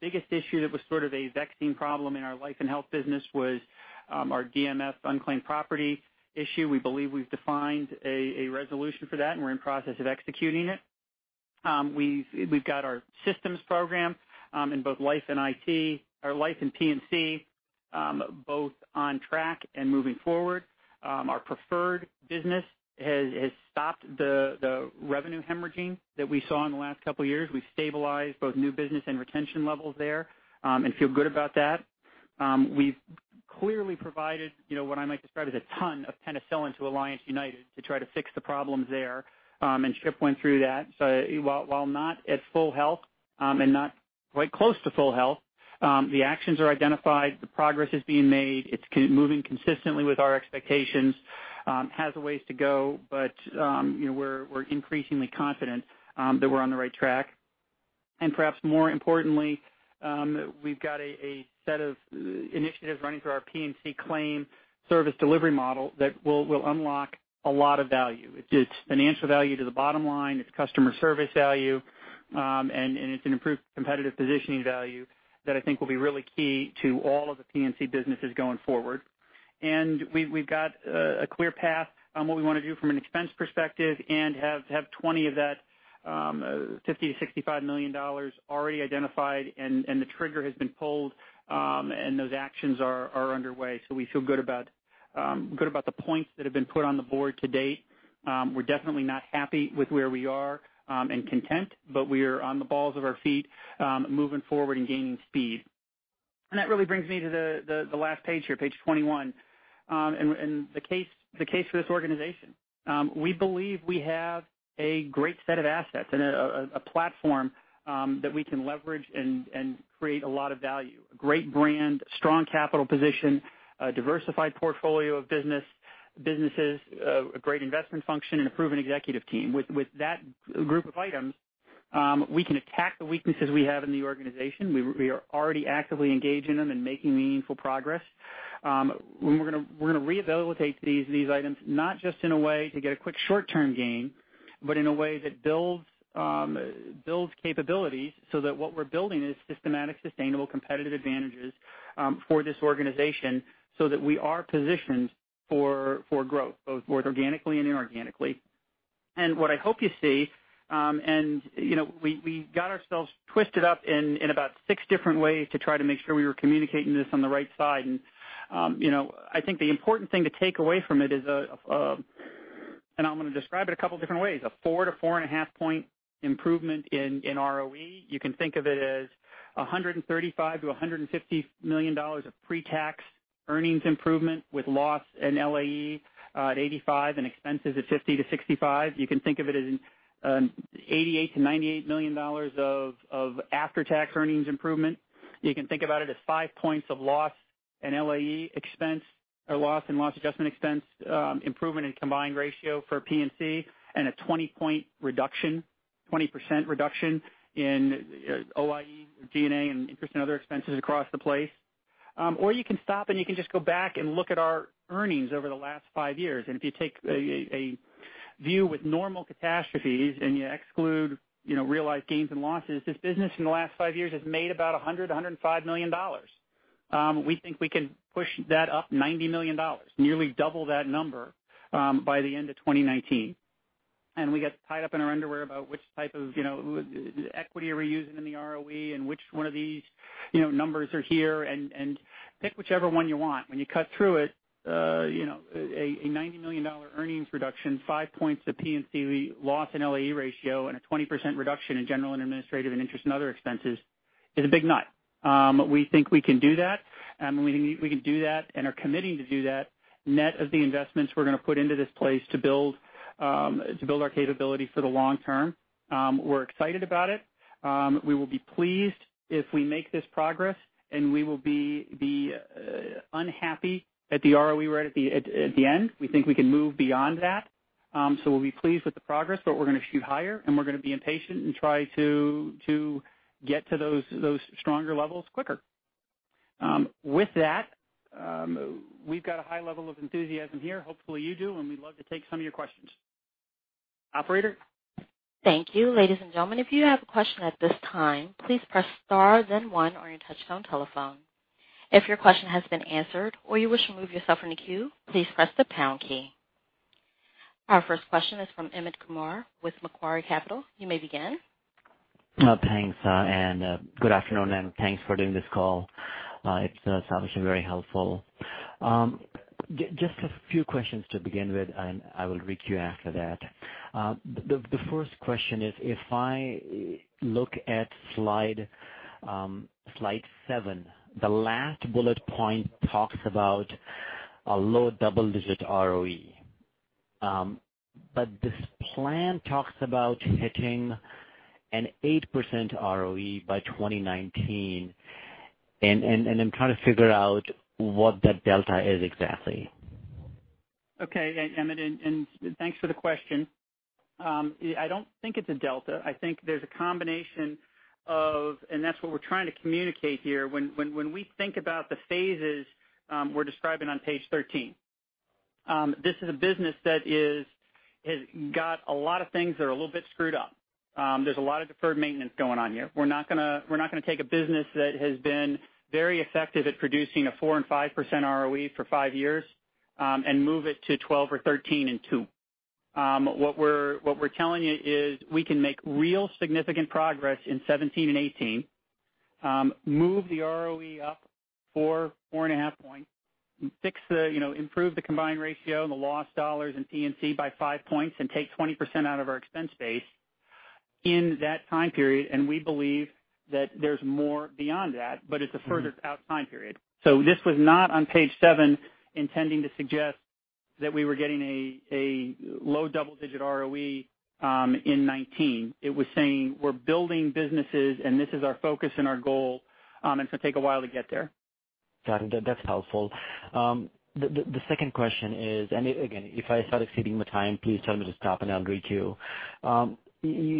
biggest issue that was sort of a vexing problem in our life & health business was our DMF unclaimed property issue. We believe we've defined a resolution for that, and we're in process of executing it. We've got our systems program in both life and P&C, both on track and moving forward. Our preferred business has stopped the revenue hemorrhaging that we saw in the last couple of years. We've stabilized both new business and retention levels there and feel good about that. We've clearly provided what I might describe as a ton of penicillin to Alliance United to try to fix the problems there, and Chip went through that. While not at full health and not quite close to full health, the actions are identified. The progress is being made. It's moving consistently with our expectations, has a ways to go, but we're increasingly confident that we're on the right track. Perhaps more importantly, we've got a set of initiatives running through our P&C claim service delivery model that will unlock a lot of value. It's financial value to the bottom line, it's customer service value, and it's an improved competitive positioning value that I think will be really key to all of the P&C businesses going forward. We've got a clear path on what we want to do from an expense perspective and have 20 of that $50 million-$65 million already identified and the trigger has been pulled, and those actions are underway. We feel good about the points that have been put on the board to date. We're definitely not happy with where we are and content, but we are on the balls of our feet, moving forward and gaining speed. That really brings me to the last page here, page 21, and the case for this organization. We believe we have a great set of assets and a platform that we can leverage and create a lot of value. A great brand, strong capital position, a diversified portfolio of businesses, a great investment function, and a proven executive team. With that group of items, we can attack the weaknesses we have in the organization. We are already actively engaging them and making meaningful progress. We're going to rehabilitate these items, not just in a way to get a quick short-term gain, but in a way that builds capabilities so that what we're building is systematic, sustainable competitive advantages for this organization, so that we are positioned for growth, both organically and inorganically. What I hope you see, and we got ourselves twisted up in about six different ways to try to make sure we were communicating this on the right side. I think the important thing to take away from it is a, and I'm going to describe it a couple different ways, a four to four and a half point improvement in ROE. You can think of it as $135 million-$150 million of pre-tax earnings improvement with loss in LAE at 85% and expenses at 50%-65%. You can think of it as an $88 million-$98 million of after-tax earnings improvement. You can think about it as five points of loss and loss adjustment expense improvement in combined ratio for P&C and a 20 point reduction, 20% reduction in OIE or G&A and interest and other expenses across the place. You can stop, and you can just go back and look at our earnings over the last five years. If you take a view with normal catastrophes and you exclude real-life gains and losses, this business in the last five years has made about $100 million, $105 million. We think we can push that up $90 million, nearly double that number, by the end of 2019. We get tied up in our underwear about which type of equity are we using in the ROE and which one of these numbers are here, and pick whichever one you want. When you cut through it, a $90 million earnings reduction, five points to P&C loss and LAE ratio, and a 20% reduction in general and administrative and interest and other expenses is a big nut. We think we can do that, and we can do that and are committing to do that net of the investments we're going to put into this place to build our capability for the long term. We're excited about it. We will be pleased if we make this progress, and we will be unhappy at the ROE we're at at the end. We think we can move beyond that. We'll be pleased with the progress, but we're going to shoot higher, and we're going to be impatient and try to get to those stronger levels quicker. With that, we've got a high level of enthusiasm here. Hopefully, you do, and we'd love to take some of your questions. Operator? Thank you. Ladies and gentlemen, if you have a question at this time, please press star then one on your touchtone telephone. If your question has been answered or you wish to remove yourself from the queue, please press the pound key. Our first question is from Amit Kumar with Macquarie Capital. You may begin. Thanks, good afternoon, and thanks for doing this call. It's obviously very helpful. Just a few questions to begin with, and I will re-queue after that. The first question is, if I look at slide seven, the last bullet point talks about a low double-digit ROE. This plan talks about hitting an 8% ROE by 2019, and I'm trying to figure out what that delta is exactly. Okay, Amit, thanks for the question. I don't think it's a delta. I think there's a combination of, that's what we're trying to communicate here. When we think about the phases we're describing on page 13, this is a business that has got a lot of things that are a little bit screwed up. There's a lot of deferred maintenance going on here. We're not going to take a business that has been very effective at producing a 4% and 5% ROE for five years and move it to 12 or 13 in two. What we're telling you is we can make real significant progress in 2017 and 2018. Move the ROE up four and a half points, improve the combined ratio and the loss dollars and P&C by five points, take 20% out of our expense base in that time period, we believe that there's more beyond that, it's a further out time period. This was not on page seven intending to suggest that we were getting a low double-digit ROE in 2019. It was saying we're building businesses and this is our focus and our goal. It's going to take a while to get there. Got it. That's helpful. The second question is, again, if I start exceeding my time, please tell me to stop and I'll reach you.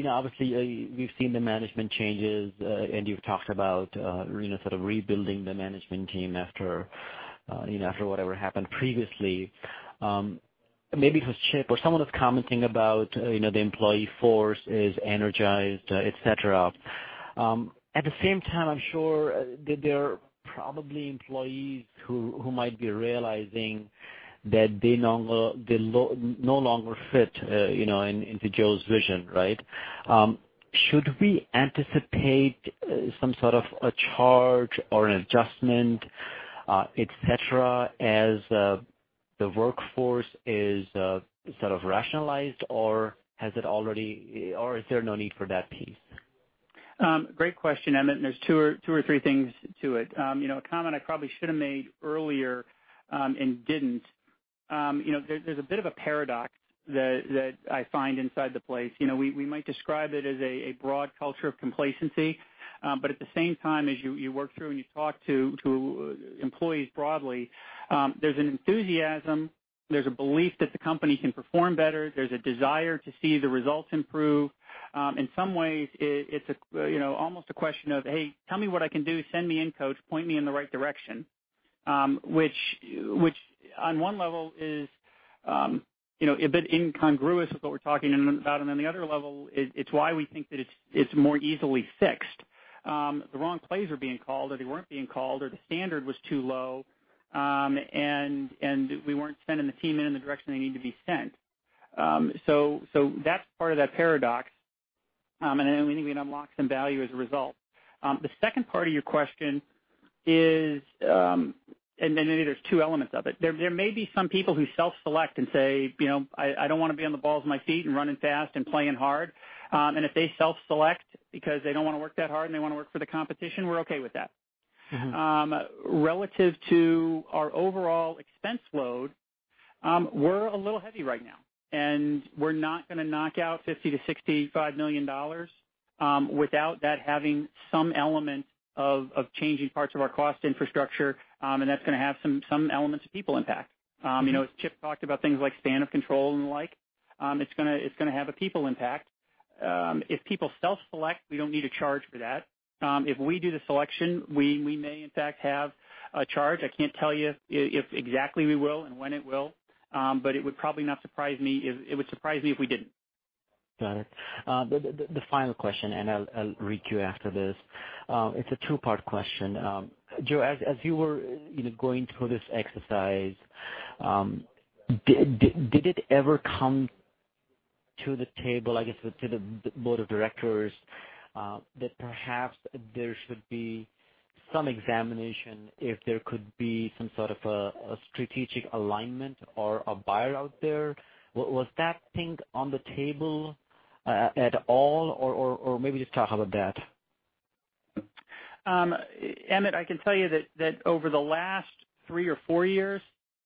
Obviously, we've seen the management changes, you've talked about sort of rebuilding the management team after whatever happened previously. Maybe it was Chip or someone was commenting about the employee force is energized, et cetera. At the same time, I'm sure that there are probably employees who might be realizing that they no longer fit into Joe's vision, right? Should we anticipate some sort of a charge or an adjustment, et cetera, as the workforce is sort of rationalized, or is there no need for that piece? Great question, Amit, there's two or three things to it. A comment I probably should have made earlier and didn't. There's a bit of a paradox that I find inside the place. We might describe it as a broad culture of complacency, at the same time, as you work through and you talk to employees broadly, there's an enthusiasm. There's a belief that the company can perform better. There's a desire to see the results improve. In some ways, it's almost a question of, "Hey, tell me what I can do. Send me in, coach. Point me in the right direction." Which on 1 level is a bit incongruous with what we're talking about, on the other level, it's why we think that it's more easily fixed. The wrong plays are being called, or they weren't being called, or the standard was too low, and we weren't sending the team in the direction they need to be sent. That's part of that paradox, and then we think we can unlock some value as a result. The second part of your question is there's two elements of it. There may be some people who self-select and say, "I don't want to be on the balls of my feet and running fast and playing hard." If they self-select because they don't want to work that hard and they want to work for the competition, we're okay with that. Relative to our overall expense load, we're a little heavy right now, and we're not going to knock out $50 million-$65 million without that having some element of changing parts of our cost infrastructure, and that's going to have some elements of people impact. As Chip talked about things like span of control and the like it's going to have a people impact. If people self-select, we don't need to charge for that. If we do the selection, we may in fact have a charge. I can't tell you if exactly we will and when it will. It would probably not surprise me. It would surprise me if we didn't. Got it. The final question, I'll reach you after this. It's a two-part question. Joe, as you were going through this exercise, did it ever come to the table, I guess, to the board of directors that perhaps there should be some examination if there could be some sort of a strategic alignment or a buyer out there? Was that thing on the table at all, or maybe just talk about that. Emmett, I can tell you that over the last three or four years,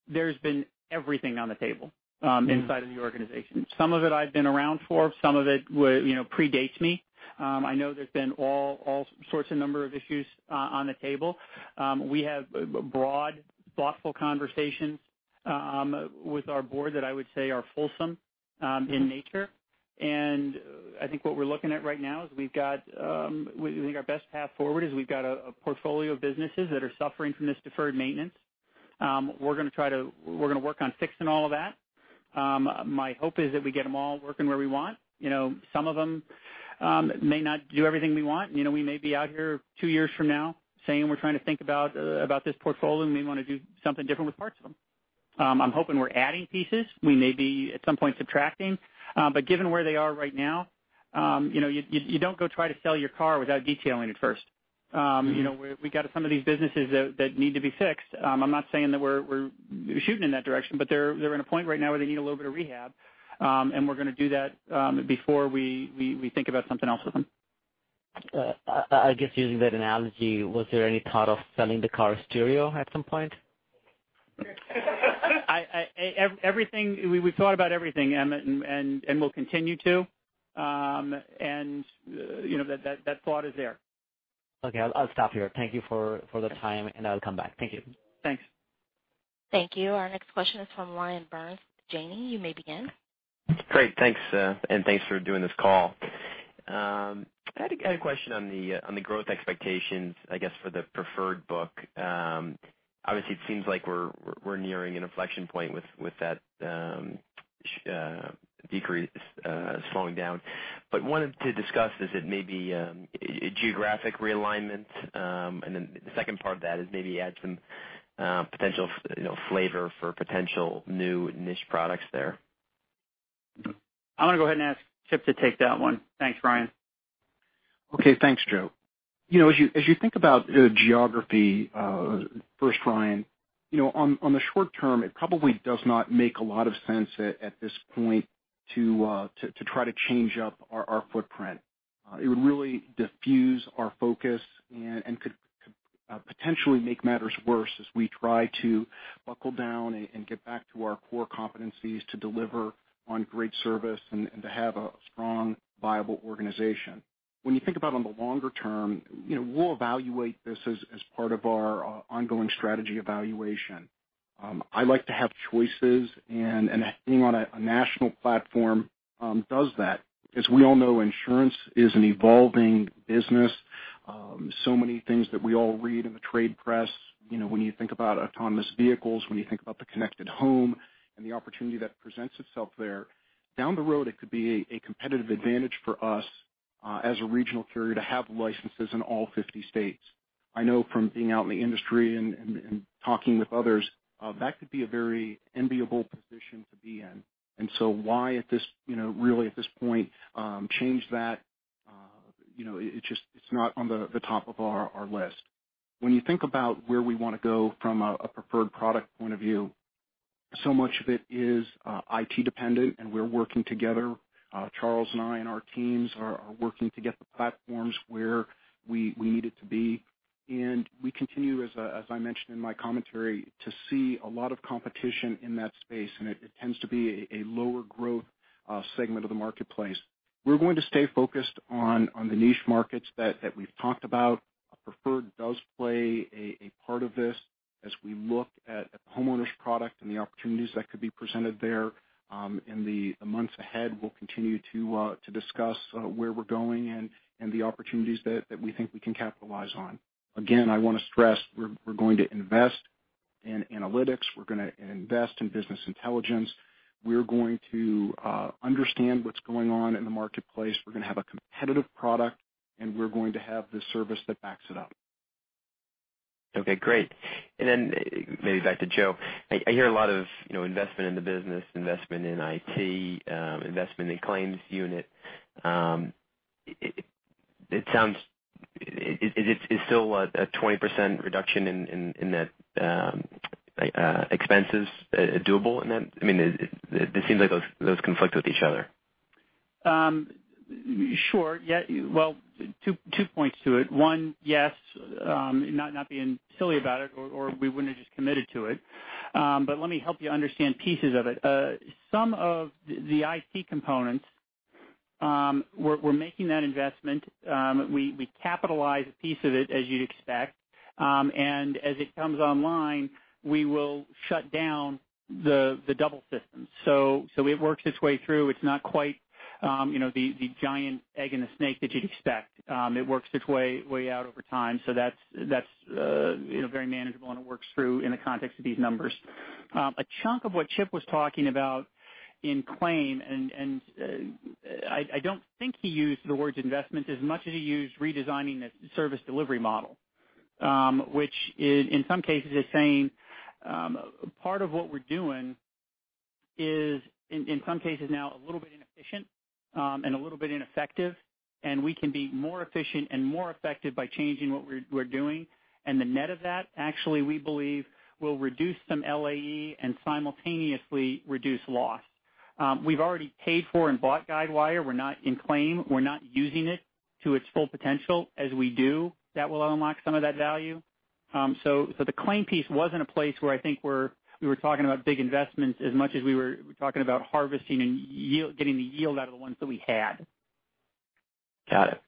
there's been everything on the table inside of the organization. Some of it I've been around for, some of it predates me. I know there's been all sorts of number of issues on the table. We have broad, thoughtful conversations with our board that I would say are fulsome in nature. I think what we're looking at right now is we think our best path forward is we've got a portfolio of businesses that are suffering from this deferred maintenance. We're going to work on fixing all of that. My hope is that we get them all working where we want. Some of them may not do everything we want. We may be out here two years from now saying we're trying to think about this portfolio and may want to do something different with parts of them. I'm hoping we're adding pieces. We may be at some point subtracting. Given where they are right now, you don't go try to sell your car without detailing it first. We got some of these businesses that need to be fixed. I'm not saying that we're shooting in that direction, but they're in a point right now where they need a little bit of rehab, and we're going to do that before we think about something else with them. I guess using that analogy, was there any thought of selling the car stereo at some point? We've thought about everything, Amit, and we'll continue to. That thought is there. Okay. I'll stop here. Thank you for the time, and I'll come back. Thank you. Thanks. Thank you. Our next question is from Ryan Burns. Janney, you may begin. Great. Thanks. Thanks for doing this call. I had a question on the growth expectations, I guess, for the preferred book. Obviously, it seems like we're nearing an inflection point with that slowing down. Wanted to discuss is it maybe a geographic realignment? The second part of that is maybe add some potential flavor for potential new niche products there. I'm going to go ahead and ask Chip to take that one. Thanks, Ryan. Okay, thanks, Joe. As you think about the geography, first, Ryan, on the short term, it probably does not make a lot of sense at this point to try to change up our footprint. It would really diffuse our focus and could potentially make matters worse as we try to buckle down and get back to our core competencies to deliver on great service and to have a strong, viable organization. When you think about on the longer term, we will evaluate this as part of our ongoing strategy evaluation. I like to have choices, and being on a national platform does that. As we all know, insurance is an evolving business. Many things that we all read in the trade press, when you think about autonomous vehicles, when you think about the connected home and the opportunity that presents itself there. Down the road, it could be a competitive advantage for us, as a regional carrier, to have licenses in all 50 states. I know from being out in the industry and talking with others, that could be a very enviable position to be in. Why, really at this point, change that? It is not on the top of our list. When you think about where we want to go from a preferred product point of view, so much of it is IT-dependent, and we are working together. Charles and I and our teams are working to get the platforms where we need it to be. We continue, as I mentioned in my commentary, to see a lot of competition in that space, and it tends to be a lower growth segment of the marketplace. We are going to stay focused on the niche markets that we have talked about. Preferred does play a part of this as we look at the homeowners product and the opportunities that could be presented there. In the months ahead, we will continue to discuss where we are going and the opportunities that we think we can capitalize on. Again, I want to stress, we are going to invest in analytics. We are going to invest in business intelligence. We are going to understand what is going on in the marketplace. We are going to have a competitive product, and we are going to have the service that backs it up. Okay, great. Maybe back to Joe. I hear a lot of investment in the business, investment in IT, investment in claims unit. Is still a 20% reduction in net expenses doable in that? It seems like those conflict with each other. Sure. Yeah. Well, two points to it. One, yes. Not being silly about it, or we wouldn't have just committed to it. Let me help you understand pieces of it. Some of the IT components, we're making that investment. We capitalize a piece of it as you'd expect. As it comes online, we will shut down the double system. It works its way through. It's not quite the giant egg and the snake that you'd expect. It works its way out over time, that's very manageable, and it works through in the context of these numbers. A chunk of what Chip was talking about in claim, I don't think he used the word investment as much as he used redesigning the service delivery model, which in some cases is saying part of what we're doing is, in some cases now, a little bit inefficient, and a little bit ineffective, and we can be more efficient and more effective by changing what we're doing. The net of that, actually, we believe, will reduce some LAE and simultaneously reduce loss. We've already paid for and bought Guidewire. We're not in claim. We're not using it to its full potential. As we do, that will unlock some of that value. The claim piece wasn't a place where I think we were talking about big investments as much as we were talking about harvesting and getting the yield out of the ones that we had. Got it.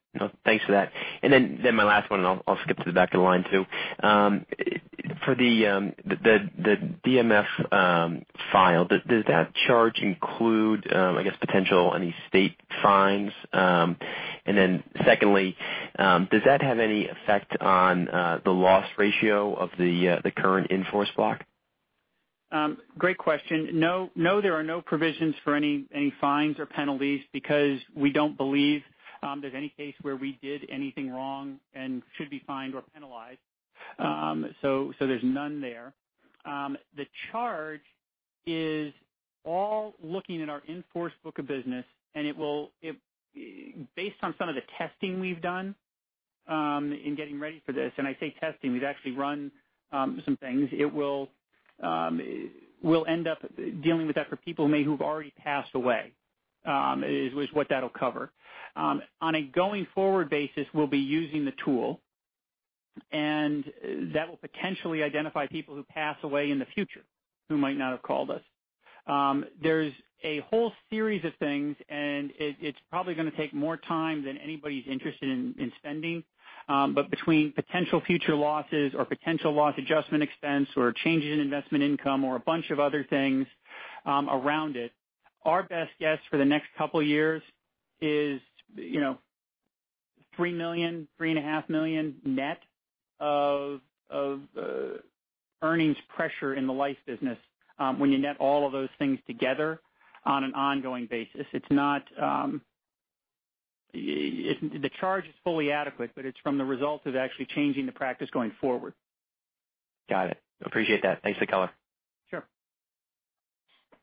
Thanks for that. My last one, I'll skip to the back of the line, too. For the DMF file, does that charge include, I guess, potential any state fines? Secondly, does that have any effect on the loss ratio of the current in-force block? Great question. No, there are no provisions for any fines or penalties because we don't believe there's any case where we did anything wrong and should be fined or penalized. There's none there. The charge is all looking at our in-force book of business, based on some of the testing we've done in getting ready for this, I say testing, we've actually run some things. We'll end up dealing with that for people maybe who've already passed away, is what that'll cover. On a going-forward basis, we'll be using the tool, that will potentially identify people who pass away in the future who might not have called us. There's a whole series of things, it's probably going to take more time than anybody's interested in spending. Between potential future losses or potential loss adjustment expense or changes in investment income or a bunch of other things around it, our best guess for the next couple of years is $3 million, $3.5 million net of earnings pressure in the life business when you net all of those things together on an ongoing basis. The charge is fully adequate, but it's from the result of actually changing the practice going forward. Got it. Appreciate that. Thanks for the color. Sure.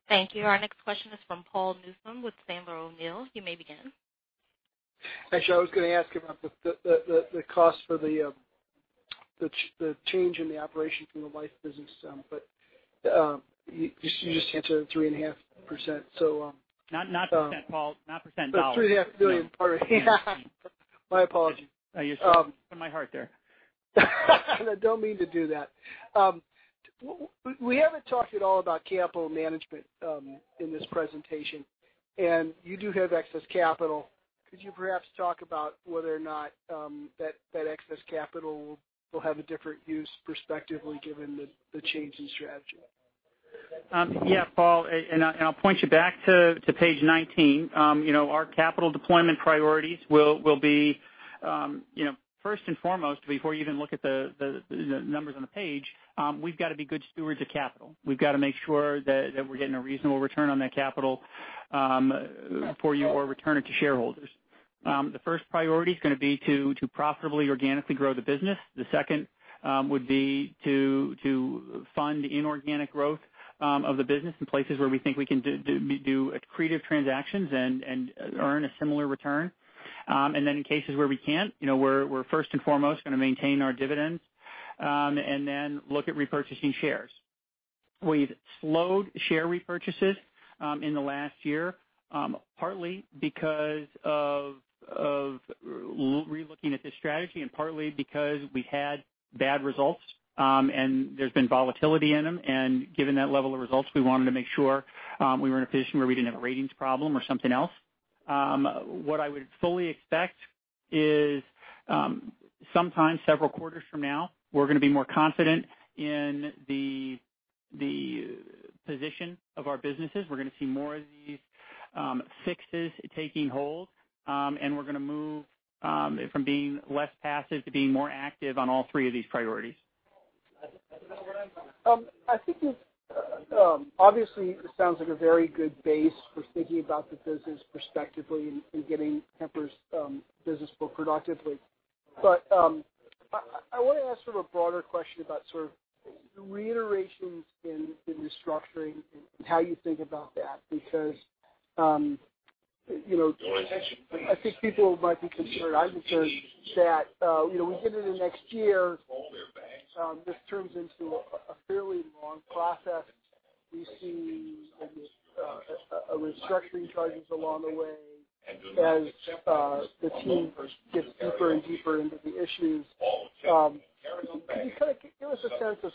Thank you. Our next question is from Paul Newsome with Sandler O'Neill. You may begin. I was going to ask about the cost for the change in the operation from the life business, but you just answered it, 3.5%. Not %, Paul, not %, dollars. $3.5 billion. My apologies. You scared my heart there. I don't mean to do that. We haven't talked at all about capital management in this presentation, and you do have excess capital. Could you perhaps talk about whether or not that excess capital will have a different use perspectively given the change in strategy? Paul, I'll point you back to page 19. Our capital deployment priorities will be first and foremost before you even look at the numbers on the page, we've got to be good stewards of capital. We've got to make sure that we're getting a reasonable return on that capital for you or return it to shareholders. The first priority is going to be to profitably organically grow the business. The second would be to fund inorganic growth of the business in places where we think we can do accretive transactions and earn a similar return. In cases where we can't, we're first and foremost going to maintain our dividends, and then look at repurchasing shares. We've slowed share repurchases in the last year, partly because of re-looking at this strategy and partly because we had bad results, and there's been volatility in them, and given that level of results, we wanted to make sure we were in a position where we didn't have a ratings problem or something else. What I would fully expect is, sometime several quarters from now, we're going to be more confident in the position of our businesses. We're going to see more of these fixes taking hold, and we're going to move from being less passive to being more active on all three of these priorities. I think it obviously sounds like a very good base for thinking about the business perspectively and getting Kemper's business book productively. I want to ask a broader question about reiterations in restructuring and how you think about that because I think people might be concerned, I'm concerned, that we get into next year, this turns into a fairly long process. We see restructuring charges along the way as the team gets deeper and deeper into the issues. Can you give us a sense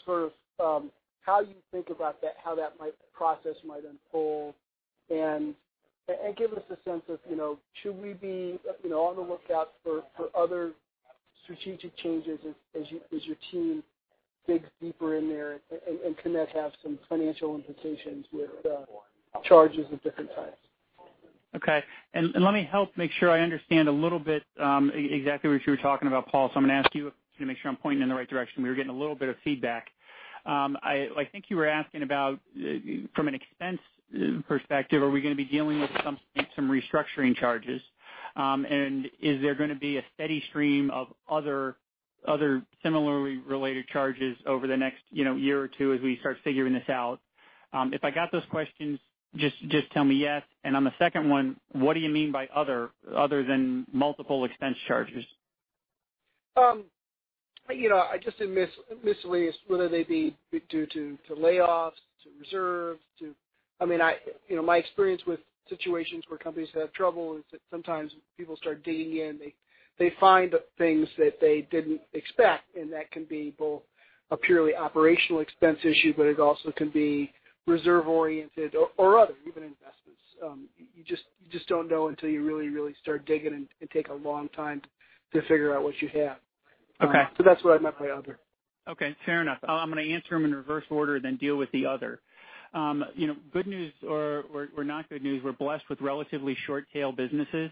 of how you think about how that process might unfold? Give us a sense of should we be on the lookout for other strategic changes as your team digs deeper in there, and can that have some financial implications with charges of different types? Okay. Let me help make sure I understand a little bit exactly what you were talking about, Paul. I'm going to ask you to make sure I'm pointing in the right direction. We were getting a little bit of feedback. I think you were asking about from an expense perspective, are we going to be dealing with some restructuring charges? Is there going to be a steady stream of other similarly related charges over the next year or two as we start figuring this out? If I got those questions, just tell me yes. On the second one, what do you mean by other than multiple expense charges? I just admissible whether they be due to layoffs, to reserves. My experience with situations where companies have trouble is that sometimes people start digging in. They find things that they didn't expect, and that can be both a purely operational expense issue, but it also can be reserve-oriented or other, even investments. You just don't know until you really start digging and take a long time to figure out what you have. Okay. That's what I meant by other. Fair enough. I'm going to answer them in reverse order, then deal with the other. Good news or not good news, we're blessed with relatively short-tail businesses.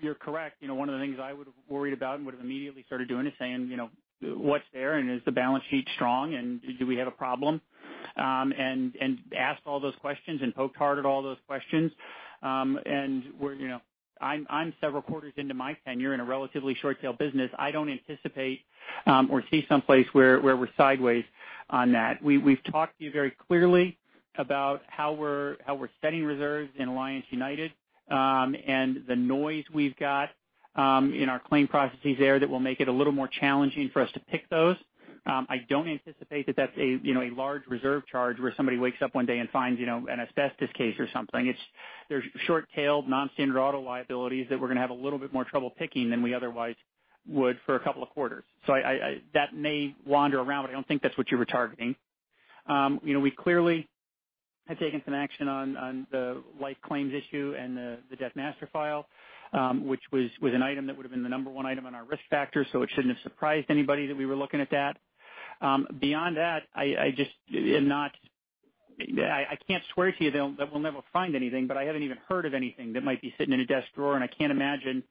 You're correct. One of the things I would've worried about and would've immediately started doing is saying, "What's there and is the balance sheet strong, and do we have a problem?" Asked all those questions and poked hard at all those questions. I'm several quarters into my tenure in a relatively short-tail business. I don't anticipate or see someplace where we're sideways on that. We've talked to you very clearly about how we're setting reserves in Alliance United, and the noise we've got in our claim processes there that will make it a little more challenging for us to pick those. I don't anticipate that that's a large reserve charge where somebody wakes up one day and finds an asbestos case or something. They're short-tailed, non-standard auto liabilities that we're going to have a little bit more trouble picking than we otherwise would for a couple of quarters. That may wander around, but I don't think that's what you were targeting. We clearly have taken some action on the life claims issue and the Death Master File, which was an item that would've been the number one item on our risk factor, so it shouldn't have surprised anybody that we were looking at that. Beyond that, I can't swear to you that we'll never find anything, but I haven't even heard of anything that might be sitting in a desk drawer, and I can't imagine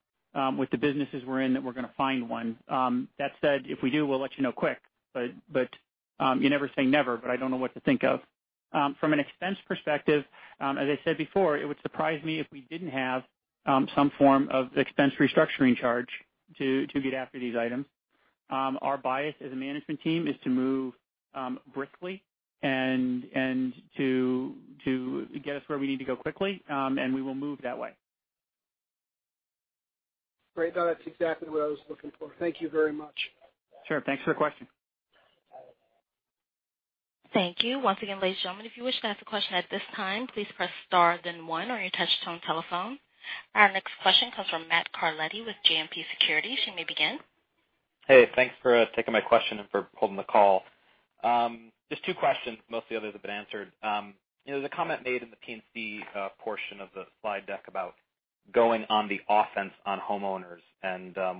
with the businesses we're in that we're going to find one. That said, if we do, we'll let you know quick. You never say never, but I don't know what to think of. From an expense perspective, as I said before, it would surprise me if we didn't have some form of expense restructuring charge to get after these items. Our bias as a management team is to move briskly and to get us where we need to go quickly, and we will move that way. Great. No, that's exactly what I was looking for. Thank you very much. Sure. Thanks for the question. Thank you. Once again, ladies and gentlemen, if you wish to ask a question at this time, please press star then one on your touch-tone telephone. Our next question comes from Matthew Carletti with JMP Securities. You may begin. Thanks for taking my question and for holding the call. Just two questions, most of the others have been answered. There's a comment made in the P&C portion of the slide deck about going on the offense on homeowners.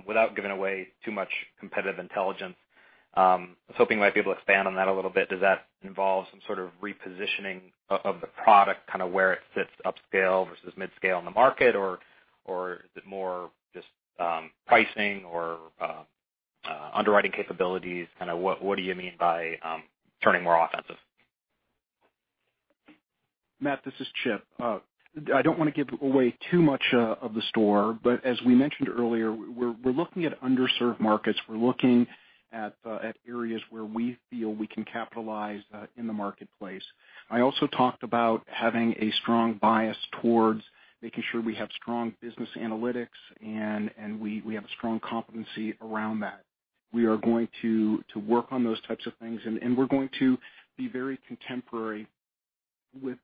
Without giving away too much competitive intelligence, I was hoping you might be able to expand on that a little bit. Does that involve some sort of repositioning of the product, kind of where it fits upscale versus mid-scale in the market? Or is it more just pricing or underwriting capabilities? What do you mean by turning more offensive? Matt, this is Chip. I don't want to give away too much of the store. As we mentioned earlier, we're looking at underserved markets. We're looking at areas where we feel we can capitalize in the marketplace. I also talked about having a strong bias towards making sure we have strong business analytics, and we have a strong competency around that. We are going to work on those types of things. We're going to be very contemporary with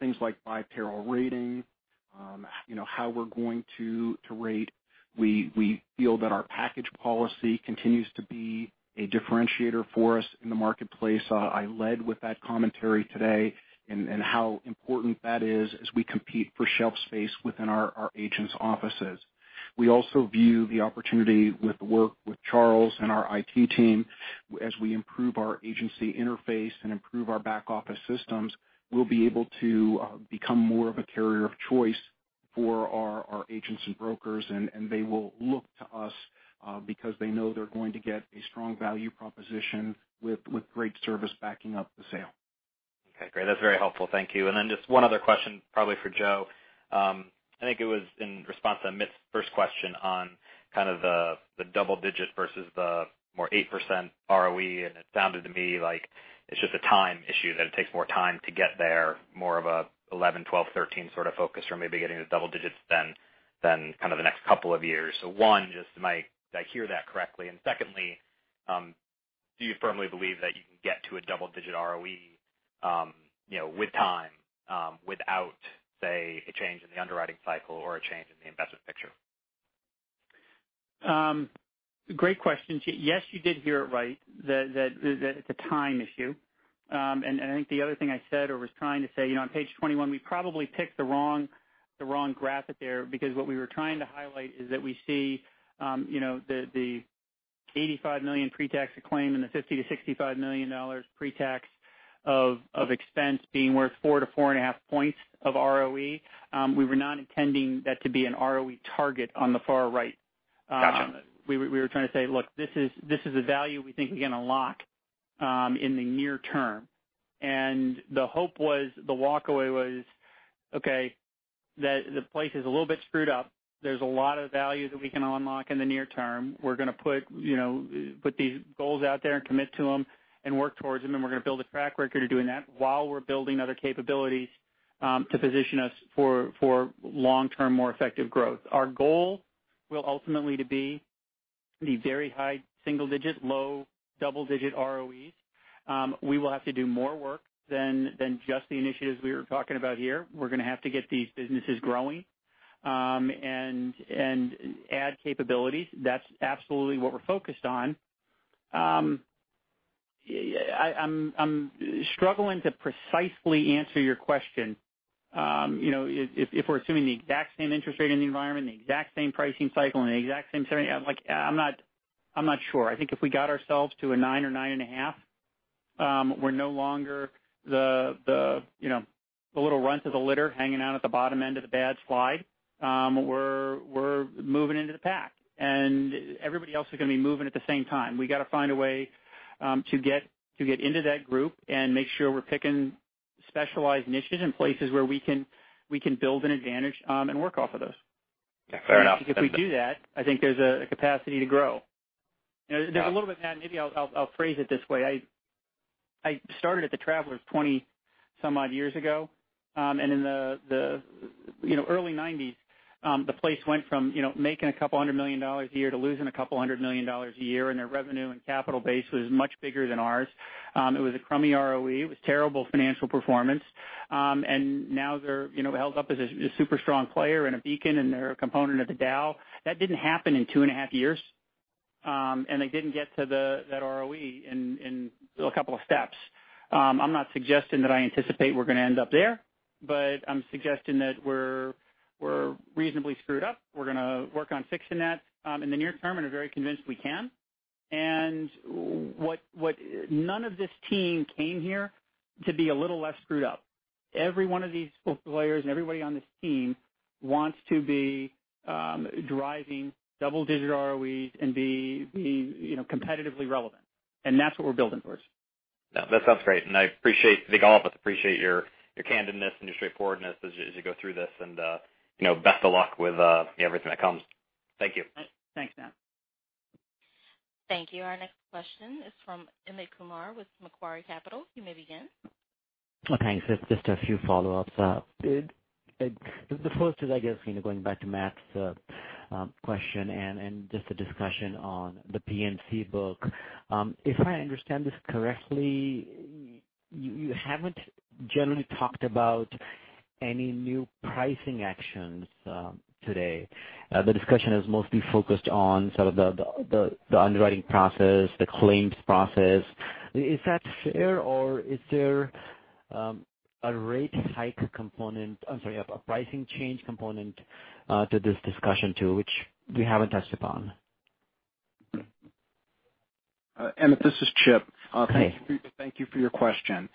things like bivariate rating, how we're going to rate. We feel that our package policy continues to be a differentiator for us in the marketplace. I led with that commentary today and how important that is as we compete for shelf space within our agents' offices. We also view the opportunity with the work with Charles and our IT team as we improve our agency interface and improve our back office systems. We'll be able to become more of a carrier of choice for our agents and brokers. They will look to us because they know they're going to get a strong value proposition with great service backing up the sale. Okay, great. That's very helpful. Thank you. Just one other question, probably for Joe. I think it was in response to Amit's first question on kind of the double-digit versus the more 8% ROE. It sounded to me like it's just a time issue, that it takes more time to get there, more of a 11, 12, 13 sort of focus or maybe getting to double-digits than kind of the next couple of years. One, just did I hear that correctly? Secondly, do you firmly believe that you can get to a double-digit ROE with time without, say, a change in the underwriting cycle or a change in the investment picture? Great question. Yes, you did hear it right. That it's a time issue. I think the other thing I said or was trying to say, on page 21, we probably picked the wrong graphic there because what we were trying to highlight is that we see the $85 million pre-tax claim and the $50 to $65 million pre-tax of expense being worth four to four and a half points of ROE. We were not intending that to be an ROE target on the far right. Gotcha. We were trying to say, look, this is a value we think we can unlock in the near term. The hope was, the walkaway was, okay, that the place is a little bit screwed up. There's a lot of value that we can unlock in the near term. We're going to put these goals out there and commit to them and work towards them, and we're going to build a track record of doing that while we're building other capabilities to position us for long-term, more effective growth. Our goal will ultimately to be the very high single digit, low double-digit ROEs. We will have to do more work than just the initiatives we were talking about here. We're going to have to get these businesses growing and add capabilities. That's absolutely what we're focused on. I'm struggling to precisely answer your question. If we're assuming the exact same interest rate in the environment, the exact same pricing cycle, and the exact same scenario, I'm not sure. I think if we got ourselves to a nine or nine and a half, we're no longer the little runt of the litter hanging out at the bottom end of the bad slide. We're moving into the pack, everybody else is going to be moving at the same time. We got to find a way to get into that group and make sure we're picking specialized niches in places where we can build an advantage and work off of those. Yeah, fair enough. If we do that, I think there's a capacity to grow. There's a little bit, Matt, maybe I'll phrase it this way. I started at The Travelers 20 some odd years ago. In the early 1990s, the place went from making a couple hundred million dollars a year to losing a couple hundred million dollars a year, and their revenue and capital base was much bigger than ours. It was a crummy ROE. It was terrible financial performance. Now they're held up as a super strong player and a beacon, and they're a component of the Dow. That didn't happen in two and a half years, and they didn't get to that ROE in a couple of steps. I'm not suggesting that I anticipate we're going to end up there, I'm suggesting that we're reasonably screwed up. We're going to work on fixing that in the near term and are very convinced we can. None of this team came here to be a little less screwed up. Every one of these players and everybody on this team wants to be driving double-digit ROEs and be competitively relevant. That's what we're building towards. That sounds great, I appreciate, I think all of us appreciate your candidness and your straightforwardness as you go through this and best of luck with everything that comes. Thank you. Thanks, Matt. Thank you. Our next question is from Amit Kumar with Macquarie Capital. You may begin. Thanks. It's just a few follow-ups. The first is, I guess, going back to Matt's question and just a discussion on the P&C book. If I understand this correctly, you haven't generally talked about any new pricing actions today. The discussion is mostly focused on some of the underwriting process, the claims process. Is that fair, or is there a rate hike component, I'm sorry, a pricing change component to this discussion, too, which we haven't touched upon? Amit, this is Chip. Hi. Thank you for your question.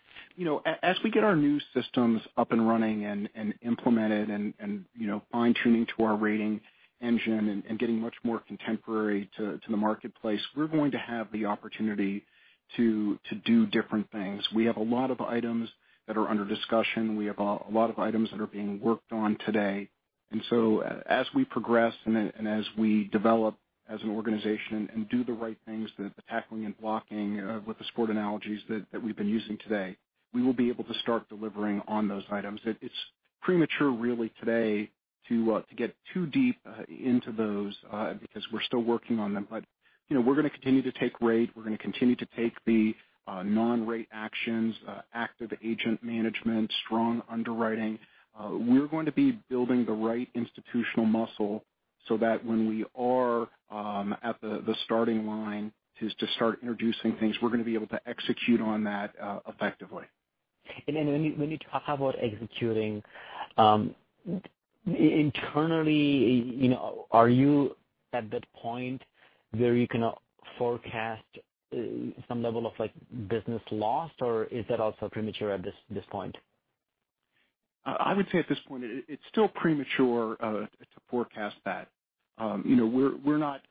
As we get our new systems up and running and implemented and fine-tuning to our rating engine and getting much more contemporary to the marketplace, we're going to have the opportunity to do different things. We have a lot of items that are under discussion. We have a lot of items that are being worked on today. As we progress and as we develop as an organization and do the right things, the tackling and blocking with the sport analogies that we've been using today, we will be able to start delivering on those items. It's premature really today to get too deep into those because we're still working on them. We're going to continue to take rate, we're going to continue to take the non-rate actions, active agent management, strong underwriting. We're going to be building the right institutional muscle so that when we are at the starting line to start introducing things, we're going to be able to execute on that effectively. When you talk about executing, internally, are you at that point where you can forecast some level of business loss, or is that also premature at this point? I would say at this point, it's still premature to forecast that. We're not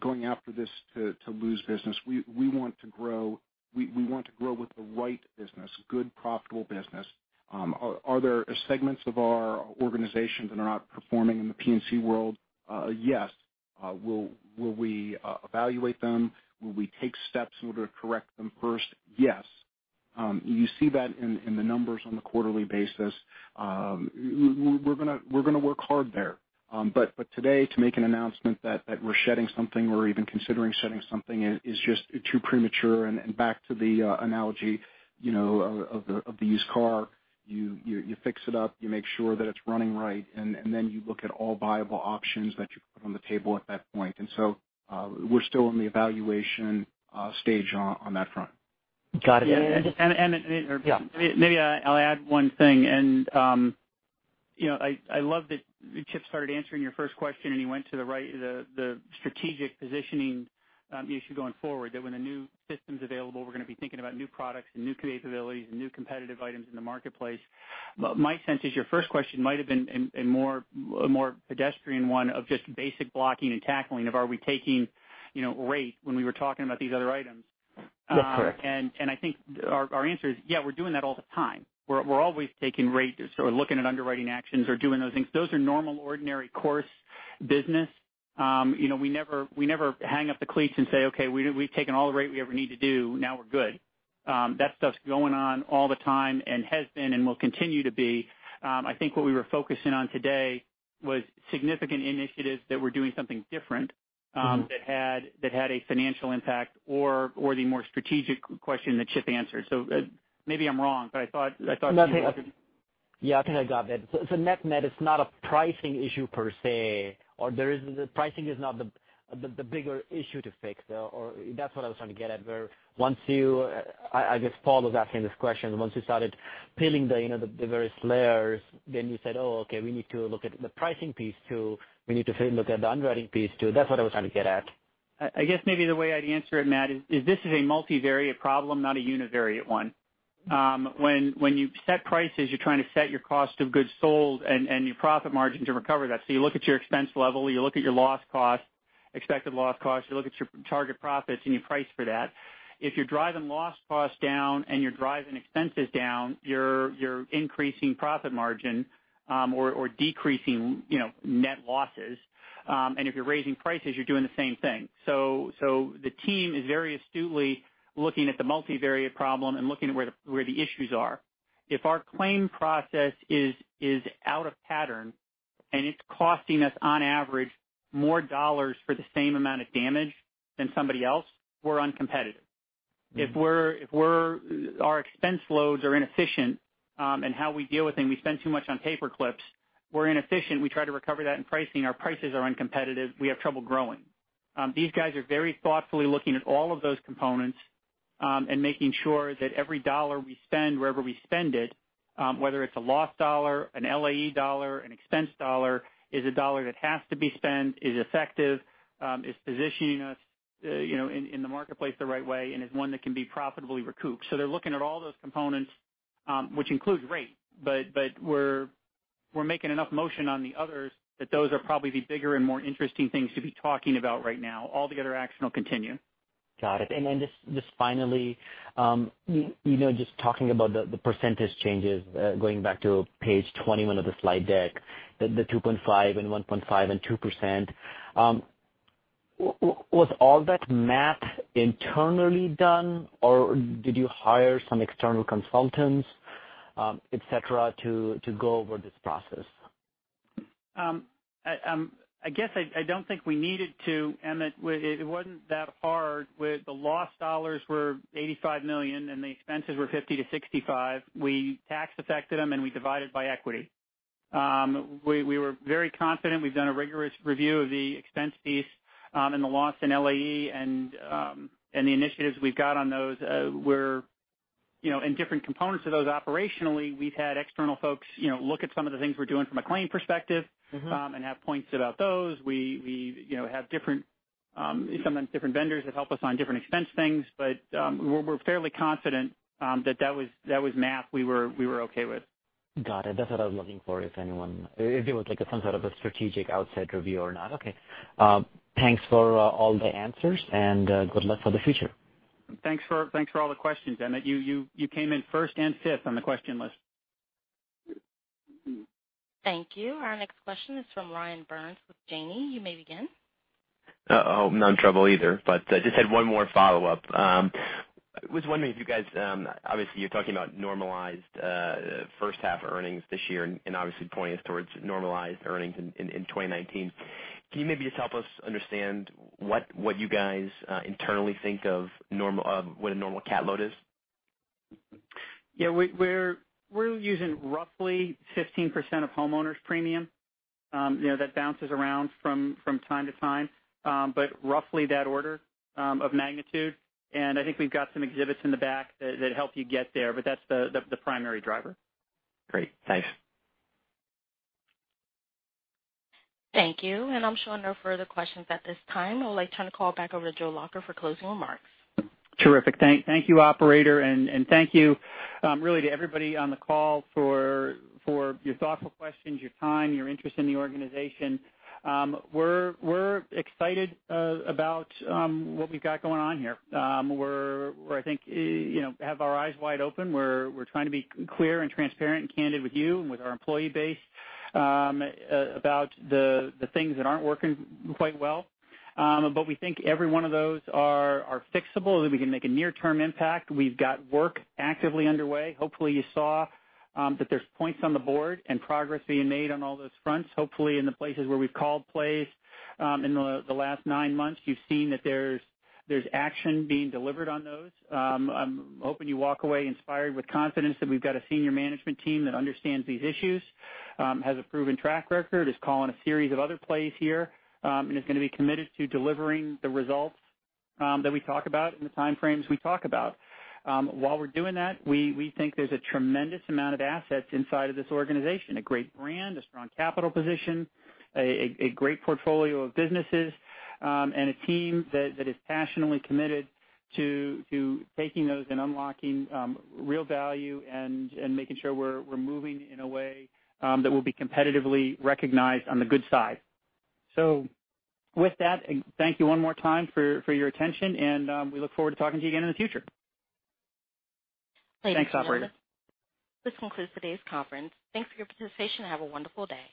going after this to lose business. We want to grow with the right business, good, profitable business. Are there segments of our organization that are not performing in the P&C world? Yes. Will we evaluate them? Will we take steps in order to correct them first? Yes. You see that in the numbers on a quarterly basis. We're going to work hard there. Today, to make an announcement that we're shedding something or even considering shedding something is just too premature. Back to the analogy of the used car, you fix it up, you make sure that it's running right, then you look at all viable options that you put on the table at that point. We're still in the evaluation stage on that front. Got it. Amit Yeah. Maybe I'll add one thing. I love that Chip started answering your first question, he went to the strategic positioning issue going forward, that when a new system's available, we're going to be thinking about new products and new capabilities and new competitive items in the marketplace. My sense is your first question might've been a more pedestrian one of just basic blocking and tackling of are we taking rate when we were talking about these other items. That's correct. I think our answer is, yeah, we're doing that all the time. We're always taking rates or looking at underwriting actions or doing those things. Those are normal, ordinary course business. We never hang up the cleats and say, "Okay, we've taken all the rate we ever need to do. Now we're good." That stuff's going on all the time and has been and will continue to be. I think what we were focusing on today was significant initiatives that were doing something different that had a financial impact or the more strategic question that Chip answered. Yeah, I think I got that. Net, it's not a pricing issue per se, or pricing is not the bigger issue to fix. That's what I was trying to get at, where once you, I guess Paul was asking this question, once you started peeling the various layers, then you said, "Oh, okay, we need to look at the pricing piece too. We need to look at the underwriting piece too." That's what I was trying to get at. I guess maybe the way I'd answer it, Amit, is this is a multivariate problem, not a univariate one. When you set prices, you're trying to set your cost of goods sold and your profit margin to recover that. You look at your expense level, you look at your expected loss cost, you look at your target profits, and you price for that. If you're driving loss cost down and you're driving expenses down, you're increasing profit margin or decreasing net losses. If you're raising prices, you're doing the same thing. The team is very astutely looking at the multivariate problem and looking at where the issues are. If our claim process is out of pattern and it's costing us, on average, more dollars for the same amount of damage than somebody else, we're uncompetitive. If our expense loads are inefficient in how we deal with things, we spend too much on paperclips, we're inefficient. We try to recover that in pricing. Our prices are uncompetitive. We have trouble growing. These guys are very thoughtfully looking at all of those components and making sure that every dollar we spend, wherever we spend it, whether it's a loss dollar, an LAE dollar, an expense dollar, is a dollar that has to be spent, is effective, is positioning us in the marketplace the right way and is one that can be profitably recouped. They're looking at all those components, which includes rate. We're making enough motion on the others that those are probably the bigger and more interesting things to be talking about right now. All the other action will continue. Got it. Then just finally, just talking about the percentage changes, going back to page 21 of the slide deck, the 2.5 and 1.5 and 2%, was all that math internally done or did you hire some external consultants, et cetera, to go over this process? I guess I don't think we needed to, Amit. It wasn't that hard. The lost dollars were $85 million, and the expenses were $50 million-$65 million. We tax affected them, and we divided by equity. We were very confident. We've done a rigorous review of the expense piece and the loss in LAE and the initiatives we've got on those. In different components of those operationally, we've had external folks look at some of the things we're doing from a claim perspective- Have points about those. We have different vendors that help us on different expense things. We're fairly confident that that was math we were okay with. Got it. That's what I was looking for, if it was like some sort of a strategic outside review or not. Okay. Thanks for all the answers and good luck for the future. Thanks for all the questions, Amit. You came in first and fifth on the question list. Thank you. Our next question is from Ryan Burns with Janney. You may begin. Oh, I'm not in trouble either, but I just had one more follow-up. I was wondering if you guys, obviously you're talking about normalized first half earnings this year and obviously pointing us towards normalized earnings in 2019. Can you maybe just help us understand what you guys internally think of what a normal cat load is? Yeah. We're using roughly 15% of homeowners premium. That bounces around from time to time. Roughly that order of magnitude, and I think we've got some exhibits in the back that help you get there, but that's the primary driver. Great. Thanks. Thank you. I'm showing no further questions at this time. I'll turn the call back over to Joe Lacher for closing remarks. Terrific. Thank you, operator, thank you really to everybody on the call for your thoughtful questions, your time, your interest in the organization. We're excited about what we've got going on here. We're I think have our eyes wide open. We're trying to be clear and transparent and candid with you and with our employee base about the things that aren't working quite well. We think every one of those are fixable, that we can make a near-term impact. We've got work actively underway. Hopefully you saw that there's points on the board and progress being made on all those fronts. Hopefully in the places where we've called plays in the last nine months, you've seen that there's action being delivered on those. I'm hoping you walk away inspired with confidence that we've got a senior management team that understands these issues, has a proven track record, is calling a series of other plays here, and is going to be committed to delivering the results that we talk about in the time frames we talk about. While we're doing that, we think there's a tremendous amount of assets inside of this organization, a great brand, a strong capital position, a great portfolio of businesses, and a team that is passionately committed to taking those and unlocking real value and making sure we're moving in a way that will be competitively recognized on the good side. With that, thank you one more time for your attention, and we look forward to talking to you again in the future. Thank you. Thanks, Operator. This concludes today's conference. Thanks for your participation and have a wonderful day.